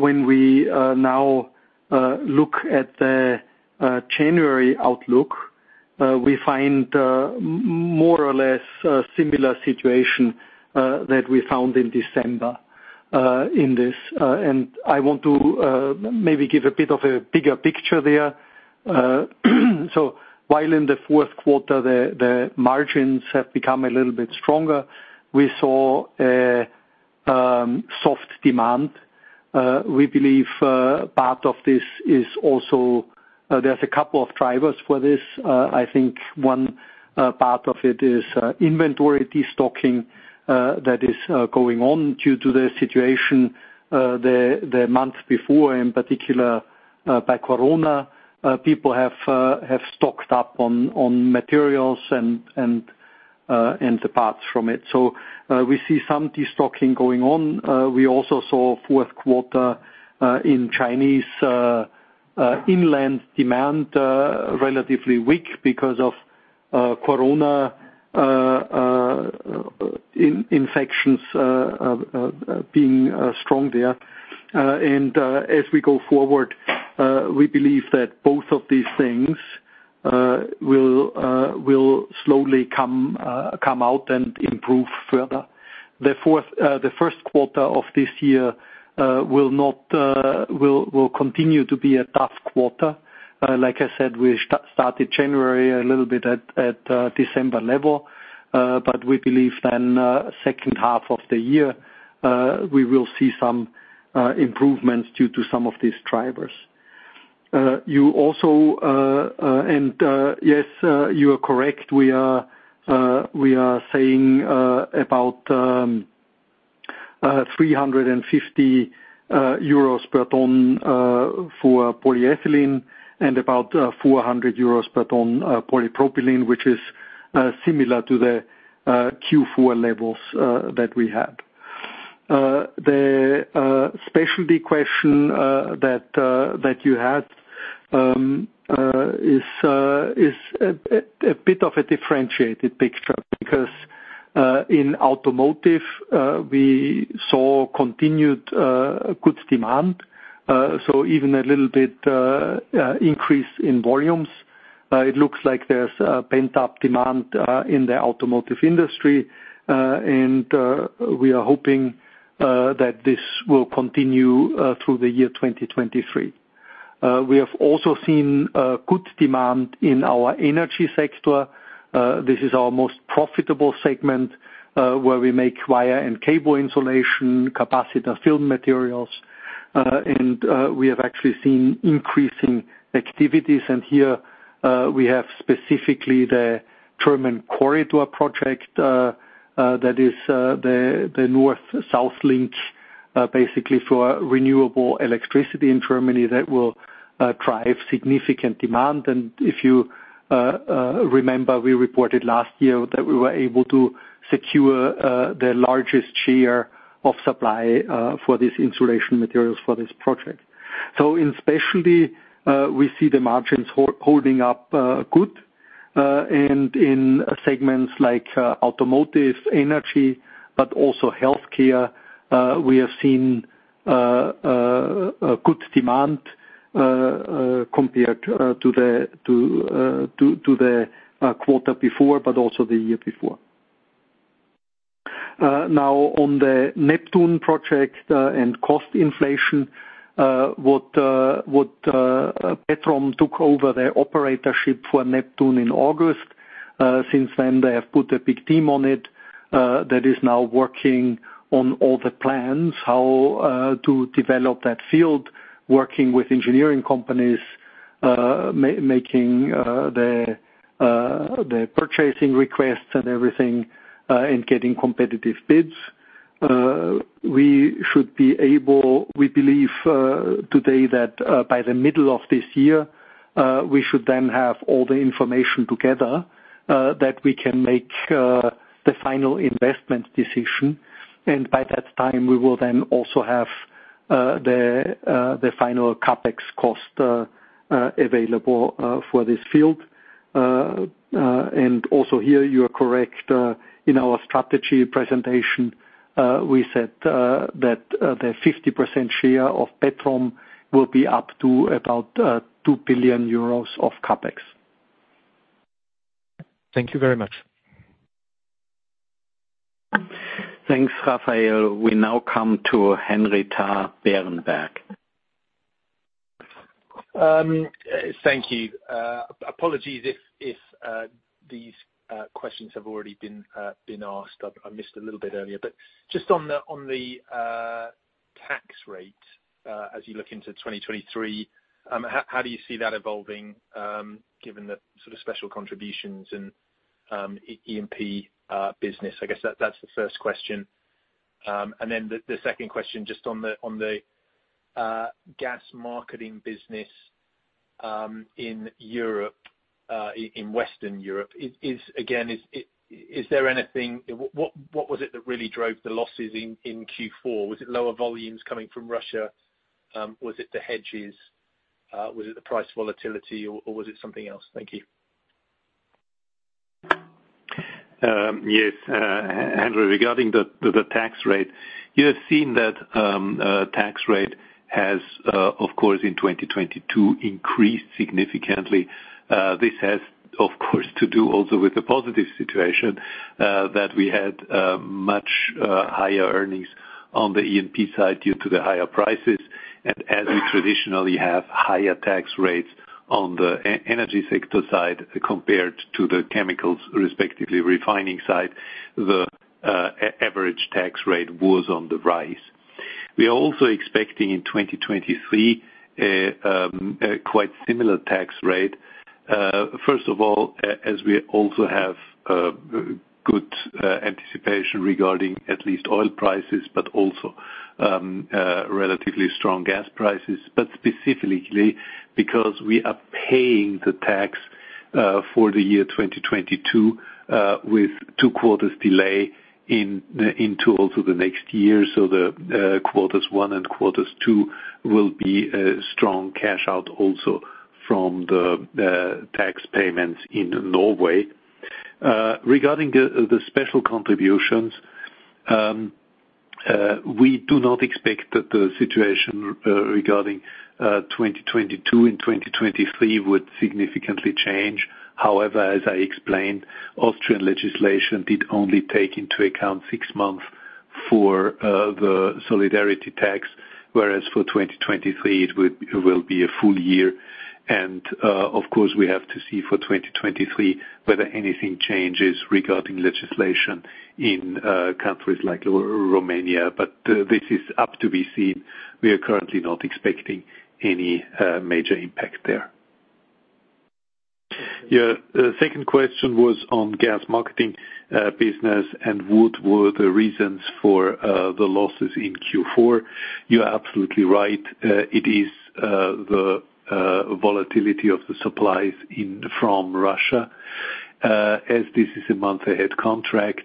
when we now look at the January outlook, we find more or less a similar situation that we found in December. In this, I want to maybe give a bit of a bigger picture there. While in the Q4 the margins have become a little bit stronger, we saw soft demand. We believe part of this is also. There's a couple of drivers for this. I think one part of it is inventory destocking that is going on due to the situation the month before, in particular, by Corona. People have stocked up on materials and the parts from it. We see some destocking going on. We also saw Q4 in Chinese inland demand relatively weak because of Corona infections being strong there. As we go forward, we believe that both of these things will slowly come out and improve further. The Q1 of this year will not continue to be a tough quarter. Like I said, we started January a little bit at December level. We believe then, second half of the year, we will see some improvements due to some of these drivers. You also. Yes, you are correct. We are saying about 350 per ton for polyethylene, and about 400 euros per ton polypropylene, which is similar to the Q4 levels that we had. The specialty question that you had is a bit of a differentiated picture because in automotive we saw continued good demand. Even a little bit increase in volumes. It looks like there's pent-up demand in the automotive industry. We are hoping that this will continue through the year 2023. We have also seen good demand in our energy sector. This is our most profitable segment where we make wire and cable insulation, capacitor film materials. We have actually seen increasing activities. Here we have specifically the German Corridor Project that is the north-south link basically for renewable electricity in Germany that will drive significant demand. If you remember, we reported last year that we were able to secure the largest share of supply for these insulation materials for this project. In specialty, we see the margins holding up good. In segments like automotive, energy, but also healthcare, we have seen a good demand compared to the quarter before, but also the year before. Now on the Neptun project, cost inflation, Petrom took over their operatorship for Neptun in August. Since then, they have put a big team on it that is now working on all the plans, how to develop that field, working with engineering companies making the purchasing requests and everything and getting competitive bids. We believe today that by the middle of this year, we should then have all the information together that we can make the final investment decision. By that time, we will then also have the final CapEx cost available for this field. Also here, you are correct. In our strategy presentation, we said that the 50% share of Petrom will be up to about 2 billion euros of CapEx. Thank you very much. Thanks, Raphaël. We now come to Henry Tarr Berenberg. Thank you. Apologies if these questions have already been asked. I missed a little bit earlier. Just on the tax rate, as you look into 2023, how do you see that evolving, given the sort of special contributions and E&P business? I guess that's the first question. The second question, just on the gas marketing business in Europe, in Western Europe. Is again, is there anything, what was it that really drove the losses in Q4? Was it lower volumes coming from Russia? Was it the hedges? Was it the price volatility, or was it something else? Thank you. Yes, Henry. Regarding the tax rate, you have seen that. Tax rate has, of course, in 2022 increased significantly. This has, of course, to do also with the positive situation that we had much higher earnings on the E&P side due to the higher prices. As we traditionally have higher tax rates on the energy sector side compared to the chemicals, respectively refining side, the average tax rate was on the rise. We are also expecting in 2023 a quite similar tax rate. First of all, as we also have good anticipation regarding at least oil prices, but also relatively strong gas prices, but specifically because we are paying the tax for the year 2022 with two quarters delay into also the next year. The Q1 and Q2 will be a strong cash out also from the tax payments in Norway. Regarding the special contributions, we do not expect that the situation regarding 2022 and 2023 would significantly change. However, as I explained, Austrian legislation did only take into account 6 months for the solidarity tax, whereas for 2023 it will be a full year. Of course, we have to see for 2023 whether anything changes regarding legislation in countries like Romania. This is up to be seen. We are currently not expecting any major impact there. Yeah. The second question was on gas marketing business and what were the reasons for the losses in Q4. You're absolutely right. It is the volatility of the supplies from Russia. As this is a month-ahead contract,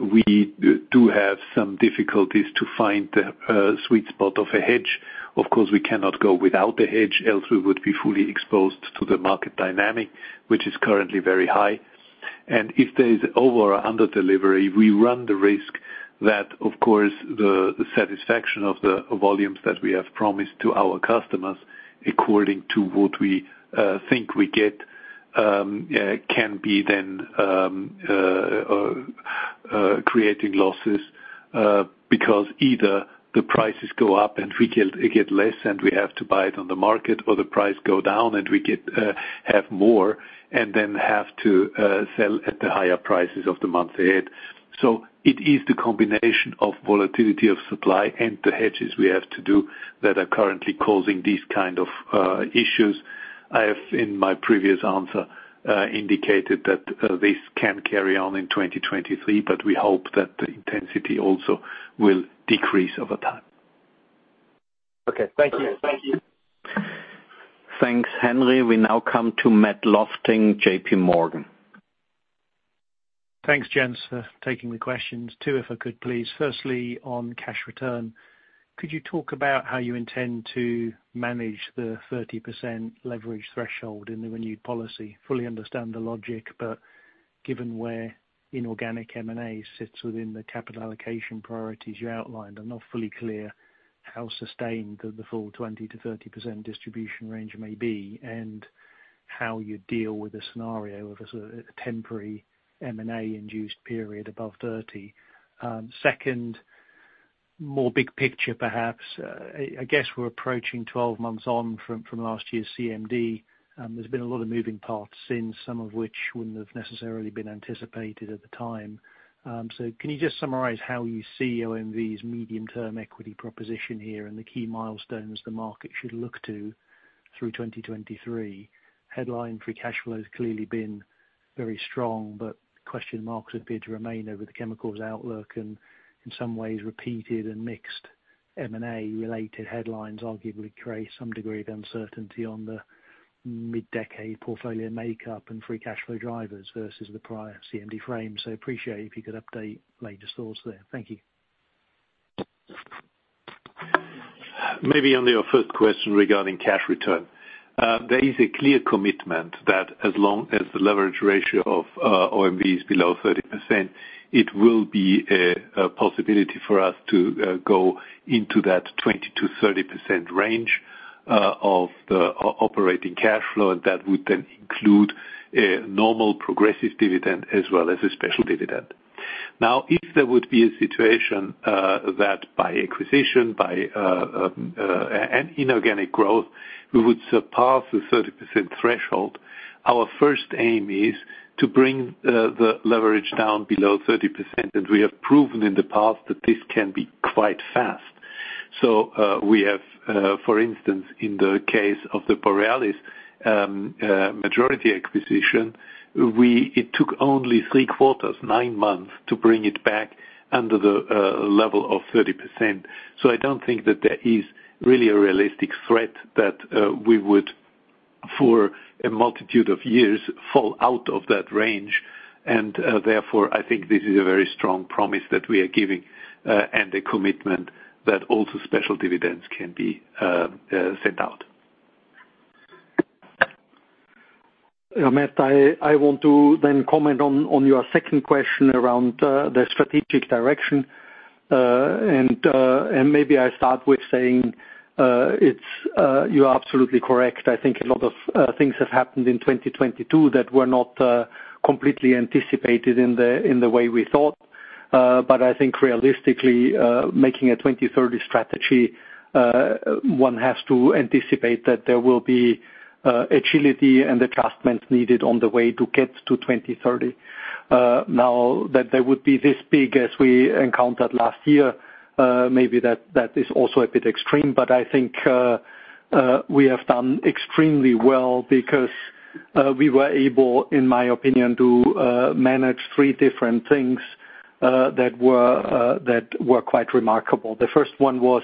we do have some difficulties to find the sweet spot of a hedge. Of course, we cannot go without the hedge, else we would be fully exposed to the market dynamic, which is currently very high. If there is over or under delivery, we run the risk that, of course, the satisfaction of the volumes that we have promised to our customers according to what we think we get, can be then creating losses, because either the prices go up and we get less, and we have to buy it on the market, or the price go down and we have more and then have to sell at the higher prices of the month ahead. It is the combination of volatility of supply and the hedges we have to do that are currently causing these kind of issues. I have, in my previous answer, indicated that this can carry on in 2023, but we hope that the intensity also will decrease over time. Okay. Thank you. Thanks, Henry. We now come to Matt Lofting, JPMorgan. Thanks, gents, for taking the questions. 2, if I could please. Firstly, on cash return, could you talk about how you intend to manage the 30% leverage threshold in the renewed policy? Fully understand the logic, given where inorganic M&A sits within the capital allocation priorities you outlined, I'm not fully clear how sustained the full 20%-30% distribution range may be, and how you deal with a scenario of a temporary M&A-induced period above 30. Second, more big picture, perhaps, I guess we're approaching 12 months on from last year's CMD, there's been a lot of moving parts since, some of which wouldn't have necessarily been anticipated at the time. Can you just summarize how you see OMV's medium-term equity proposition here and the key milestones the market should look to through 2023? Headline free cash flow has clearly been very strong. Question marks appear to remain over the chemicals outlook and in some ways repeated and mixed M&A-related headlines arguably create some degree of uncertainty on the mid-decade portfolio makeup and free cash flow drivers versus the prior CMD frame. Appreciate if you could update latest thoughts there. Thank you. Maybe on your first question regarding cash return. There is a clear commitment that as long as the leverage ratio of OMV is below 30%, it will be a possibility for us to go into that 20%-30% range of the operating cash flow, and that would then include a normal progressive dividend as well as a special dividend. Now, if there would be a situation that by acquisition, by an inorganic growth, we would surpass the 30% threshold, our first aim is to bring the leverage down below 30%. We have proven in the past that this can be quite fast. We have, for instance, in the case of the Borealis majority acquisition, it took only 3 quarters, 9 months, to bring it back under the level of 30%. I don't think that there is really a realistic threat that we would, for a multitude of years, fall out of that range. Therefore, I think this is a very strong promise that we are giving and a commitment that also special dividends can be sent out. Matt, I want to then comment on your second question around the strategic direction. Maybe I start with saying, it's, you are absolutely correct. I think a lot of things have happened in 2022 that were not completely anticipated in the way we thought. I think realistically, making a 2030 strategy, one has to anticipate that there will be agility and adjustments needed on the way to get to 2030. Now that they would be this big as we encountered last year, maybe that is also a bit extreme. I think, we have done extremely well because we were able, in my opinion, to manage 3 different things that were quite remarkable. The first one was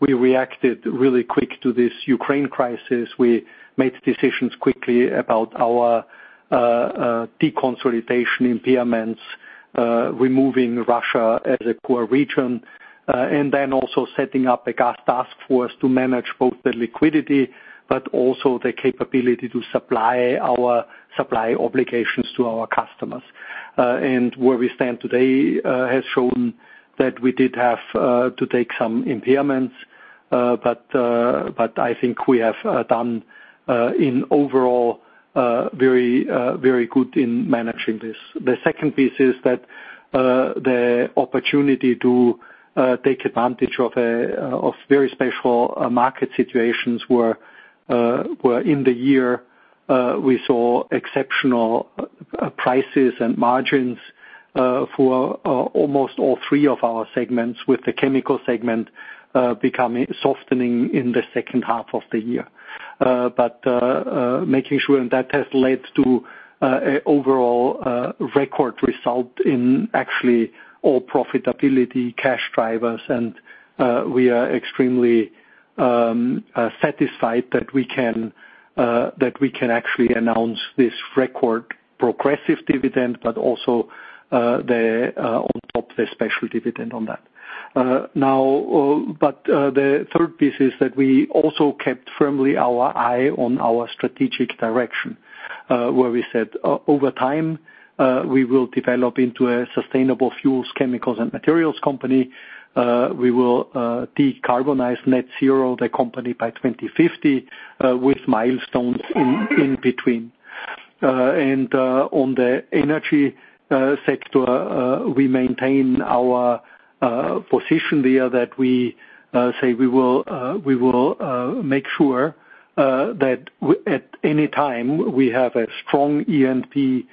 we reacted really quick to this Ukraine crisis. We made decisions quickly about our deconsolidation impairments, removing Russia as a core region, and then also setting up a gas task force to manage both the liquidity, but also the capability to supply our supply obligations to our customers. Where we stand today has shown that we did have to take some impairments, but I think we have done in overall very good in managing this. The second piece is that the opportunity to take advantage of a of very special market situations where in the year we saw exceptional prices and margins for almost all three of our segments, with the chemical segment becoming softening in the second half of the year. Making sure and that has led to a overall record result in actually all profitability cash drivers and we are extremely satisfied that we can actually announce this record progressive dividend, but also the on top the special dividend on that. Now, the third piece is that we also kept firmly our eye on our strategic direction, where we said over time, we will develop into a sustainable fuels, chemicals, and materials company. We will decarbonize net zero the company by 2050, with milestones in between. On the energy sector, we maintain our position there that we say we will make sure that at any time we have a strong E&P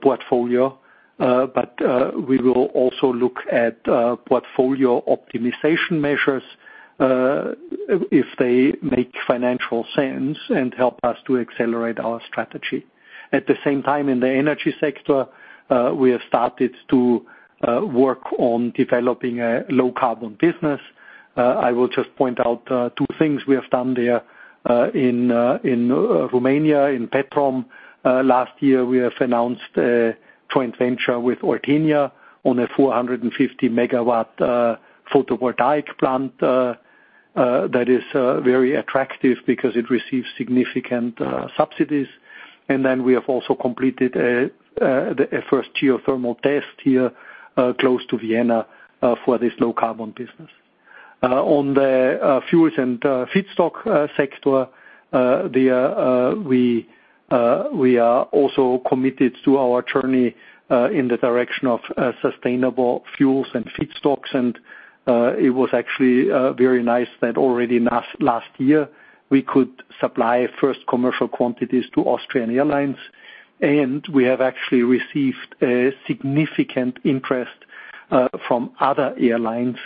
portfolio. We will also look at portfolio optimization measures if they make financial sense and help us to accelerate our strategy. At the same time, in the energy sector, we have started to work on developing a low-carbon business. I will just point out two things we have done there in Romania, in Petrom. Last year, we have announced a joint venture with Ortivia on a 450 MW photovoltaic plant that is very attractive because it receives significant subsidies. We have also completed the first geothermal test here close to Vienna for this low-carbon business. On the fuels and feedstock sector, there we are also committed to our journey in the direction of sustainable fuels and feedstocks. It was actually very nice that already last year we could supply first commercial quantities to Austrian Airlines. We have actually received a significant interest from other airlines.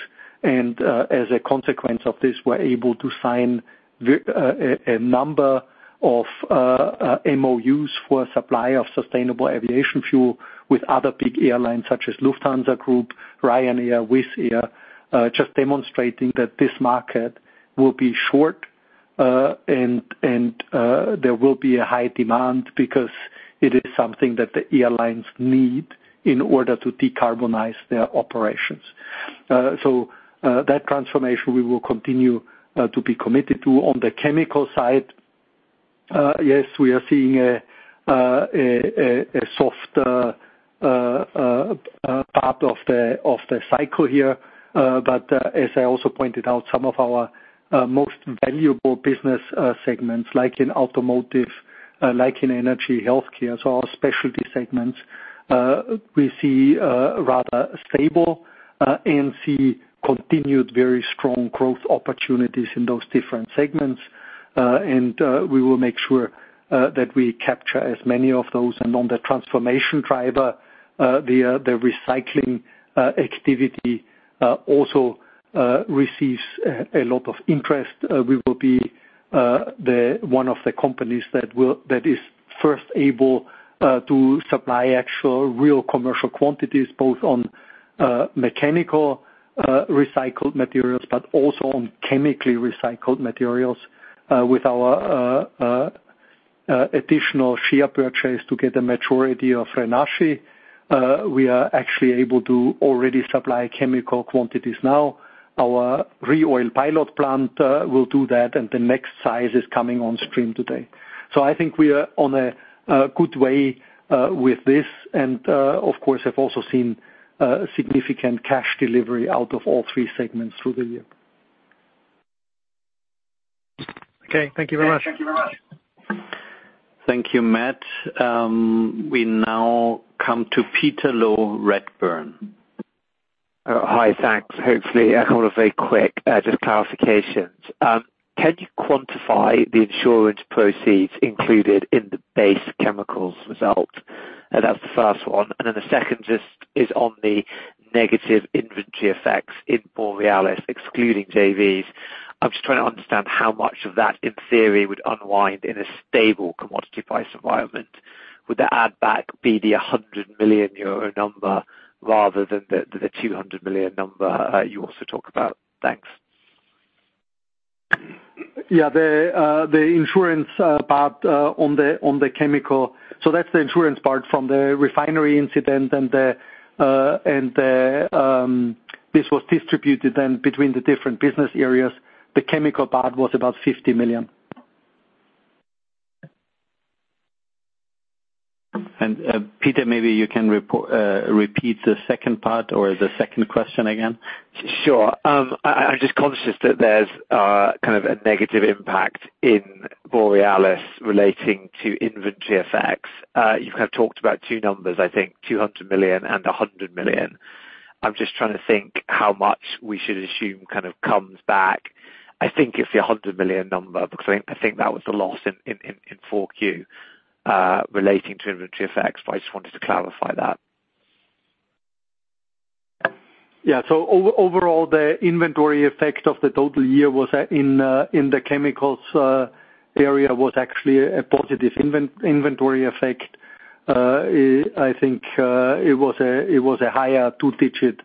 As a consequence of this, we're able to sign a number of MOUs for supply of sustainable aviation fuel with other big airlines such as Lufthansa Group, Ryanair, Wizz Air, just demonstrating that this market will be short, and there will be a high demand because it is something that the airlines need in order to decarbonize their operations. That transformation we will continue to be committed to. On the chemical side, yes, we are seeing a soft part of the cycle here. As I also pointed out, some of our most valuable business segments, like in automotive, like in energy healthcare, so our specialty segments, we see rather stable and see continued very strong growth opportunities in those different segments. We will make sure that we capture as many of those. On the transformation driver, the recycling activity also receives a lot of interest. We will be the one of the companies that is first able to supply actual real commercial quantities, both on mechanical recycled materials, but also on chemically recycled materials, with our additional share purchase to get a majority of Renasci. We are actually able to already supply chemical quantities now. Our ReOil pilot plant will do that, and the next size is coming on stream today. I think we are on a good way with this and, of course have also seen, significant cash delivery out of all three segments through the year. Okay. Thank you very much. Thank you, Matt. We now come to Peter Low, Redburn. Hi. Thanks. Hopefully, a couple of very quick clarifications. Can you quantify the insurance proceeds included in the base chemicals result? That's the first one. Then the second just is on the negative inventory effects in Borealis excluding JVs. I'm just trying to understand how much of that, in theory, would unwind in a stable commodity price environment. Would the add back be the 100 million euro number rather than the 200 million number you also talk about? Thanks. Yeah. The insurance part. That's the insurance part from the refinery incident and this was distributed then between the different business areas. The chemical part was about 50 million. Peter, maybe you can repeat the second part or the second question again. Sure. I'm just conscious that there's kind of a negative impact in Borealis relating to inventory effects. You have talked about two numbers, I think 200 million and 100 million. I'm just trying to think how much we should assume kind of comes back. I think it's the 100 million number, because I think that was the loss in 4Q relating to inventory effects. I just wanted to clarify that. Yeah. Overall the inventory effect of the total year was in the chemicals area was actually a positive inventory effect. I think it was a higher two-digit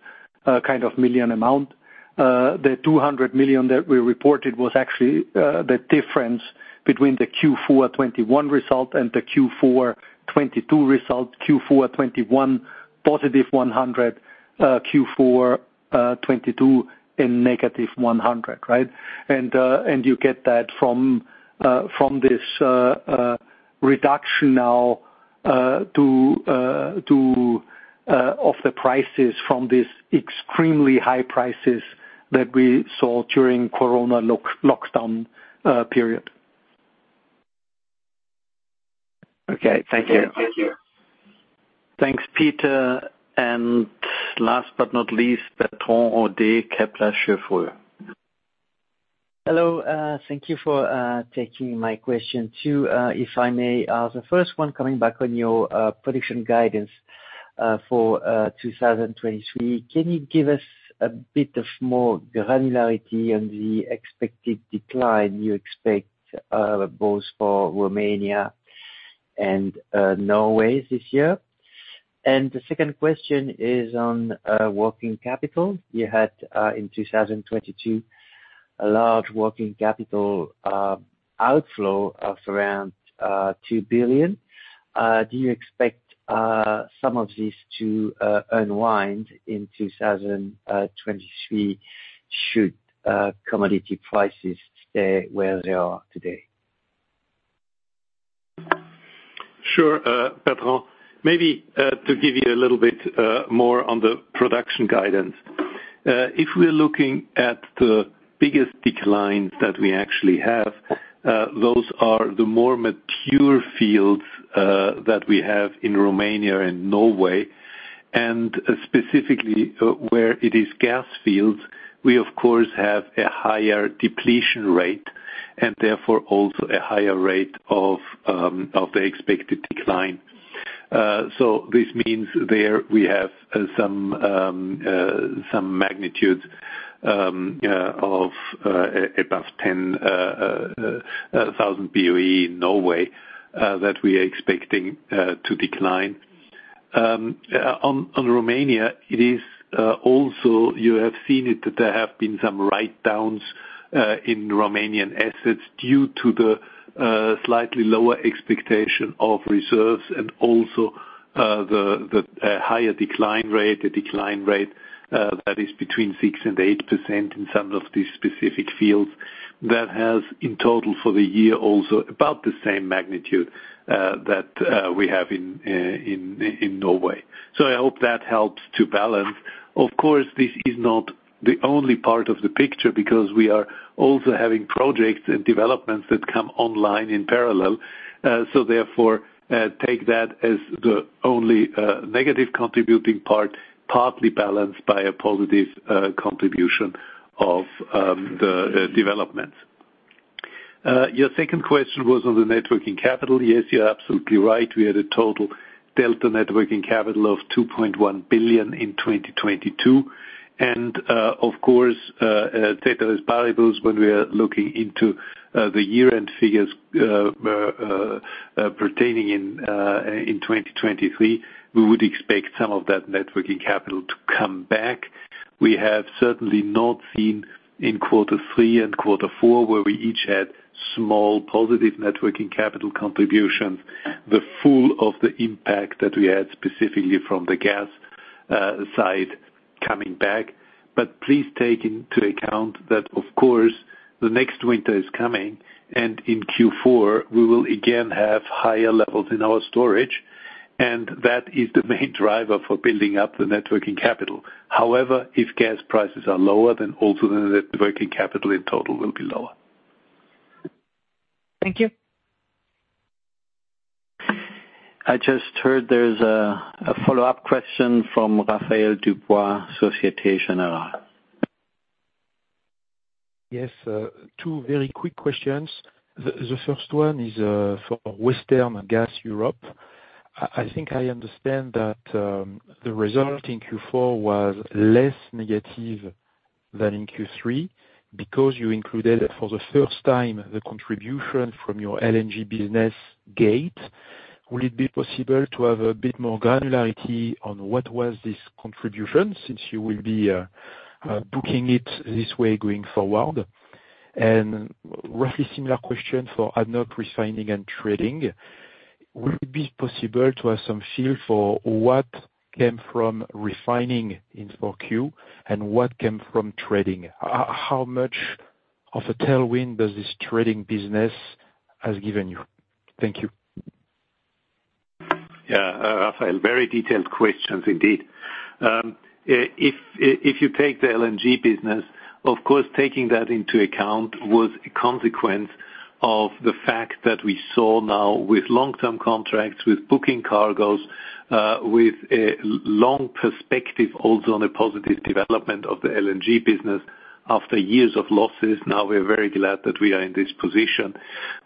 kind of million amount. The 200 million that we reported was actually the difference between the Q4 2021 result and the Q4 2022 result, Q4 2021 positive 100, Q4 2022, and negative 100, right? You get that from from this reduction now to of the prices from these extremely high prices that we saw during lockdown period. Okay. Thank you. Thanks, Peter. Last but not least, Bertrand Hodee, Kepler Cheuvreux Hello. Thank you for taking my question too. If I may, the first one coming back on your production guidance for 2023, can you give us a bit of more granularity on the expected decline you expect both for Romania and Norway this year? The second question is on working capital. You had in 2022 a large working capital outflow of around 2 billion. Do you expect some of this to unwind in 2023 should commodity prices stay where they are today? Sure, Bertrand. Maybe to give you a little bit more on the production guidance. If we're looking at the biggest decline that we actually have, those are the more mature fields that we have in Romania and Norway. Specifically, where it is gas fields, we of course have a higher depletion rate, and therefore also a higher rate of the expected decline. This means there we have some magnitude of above 10,000 BOE in Norway that we are expecting to decline. On Romania it is also you have seen it that there have been some writedowns in Romanian assets due to the slightly lower expectation of reserves and also the higher decline rate, the decline rate that is between 6% and 8% in some of these specific fields that has, in total for the year, also about the same magnitude that we have in Norway. I hope that helps to balance. Of course, this is not the only part of the picture because we are also having projects and developments that come online in parallel. Therefore, take that as the only negative contributing part, partly balanced by a positive contribution of the developments. Your second question was on the net working capital. Yes, you're absolutely right. We had a total delta net working capital of 2.1 billion in 2022. Of course, data is valuables when we are looking into the year-end figures pertaining in 2023. We would expect some of that net working capital to come back. We have certainly not seen in quarter three and quarter four, where we each had small positive networking capital contributions, the full of the impact that we had specifically from the gas side coming back. Please take into account that, of course, the next winter is coming, and in Q4, we will again have higher levels in our storage, and that is the main driver for building up the networking capital. However, if gas prices are lower, then also the networking capital in total will be lower. Thank you. I just heard there's a follow-up question from Raphaël Dubois, Société Générale. Yes. two very quick questions. The first one is for Western Gas Europe. I think I understand that the result in Q4 was less negative than in Q3 because you included it for the first time, the contribution from your LNG business Gate. Will it be possible to have a bit more granularity on what was this contribution since you will be booking it this way going forward? Roughly similar question for ADNOC Refining and Trading. Would it be possible to have some feel for what came from refining in 4Q and what came from trading? How, how much of a tailwind does this trading business has given you? Thank you. Yeah. Raphaël, very detailed questions indeed. If you take the LNG business, of course, taking that into account was a consequence of the fact that we saw now with long-term contracts, with booking cargoes, with a long perspective also on a positive development of the LNG business. After years of losses, now we're very glad that we are in this position.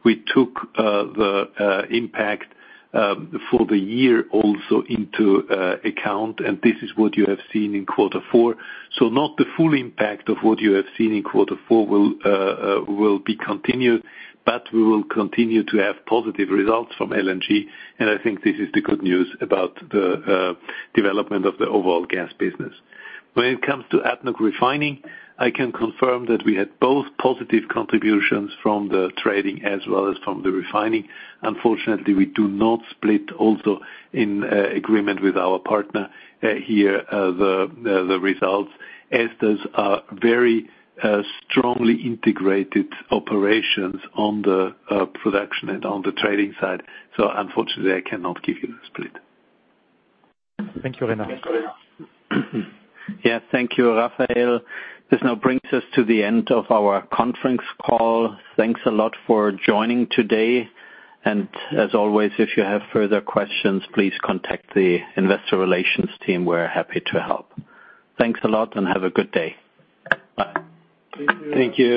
We took the impact for the year also into account, and this is what you have seen in quarter four. Not the full impact of what you have seen in quarter four will be continued, but we will continue to have positive results from LNG, and I think this is the good news about the development of the overall gas business. When it comes to ADNOC Refining, I can confirm that we had both positive contributions from the trading as well as from the refining. Unfortunately, we do not split also in agreement with our partner here the results as those are very strongly integrated operations on the production and on the trading side. Unfortunately, I cannot give you the split. Thank you, Reinhard. Yes. Thank you, Raphaël. This now brings us to the end of our conference call. Thanks a lot for joining today. As always, if you have further questions, please contact the investor relations team. We're happy to help. Thanks a lot, and have a good day. Bye. Thank you.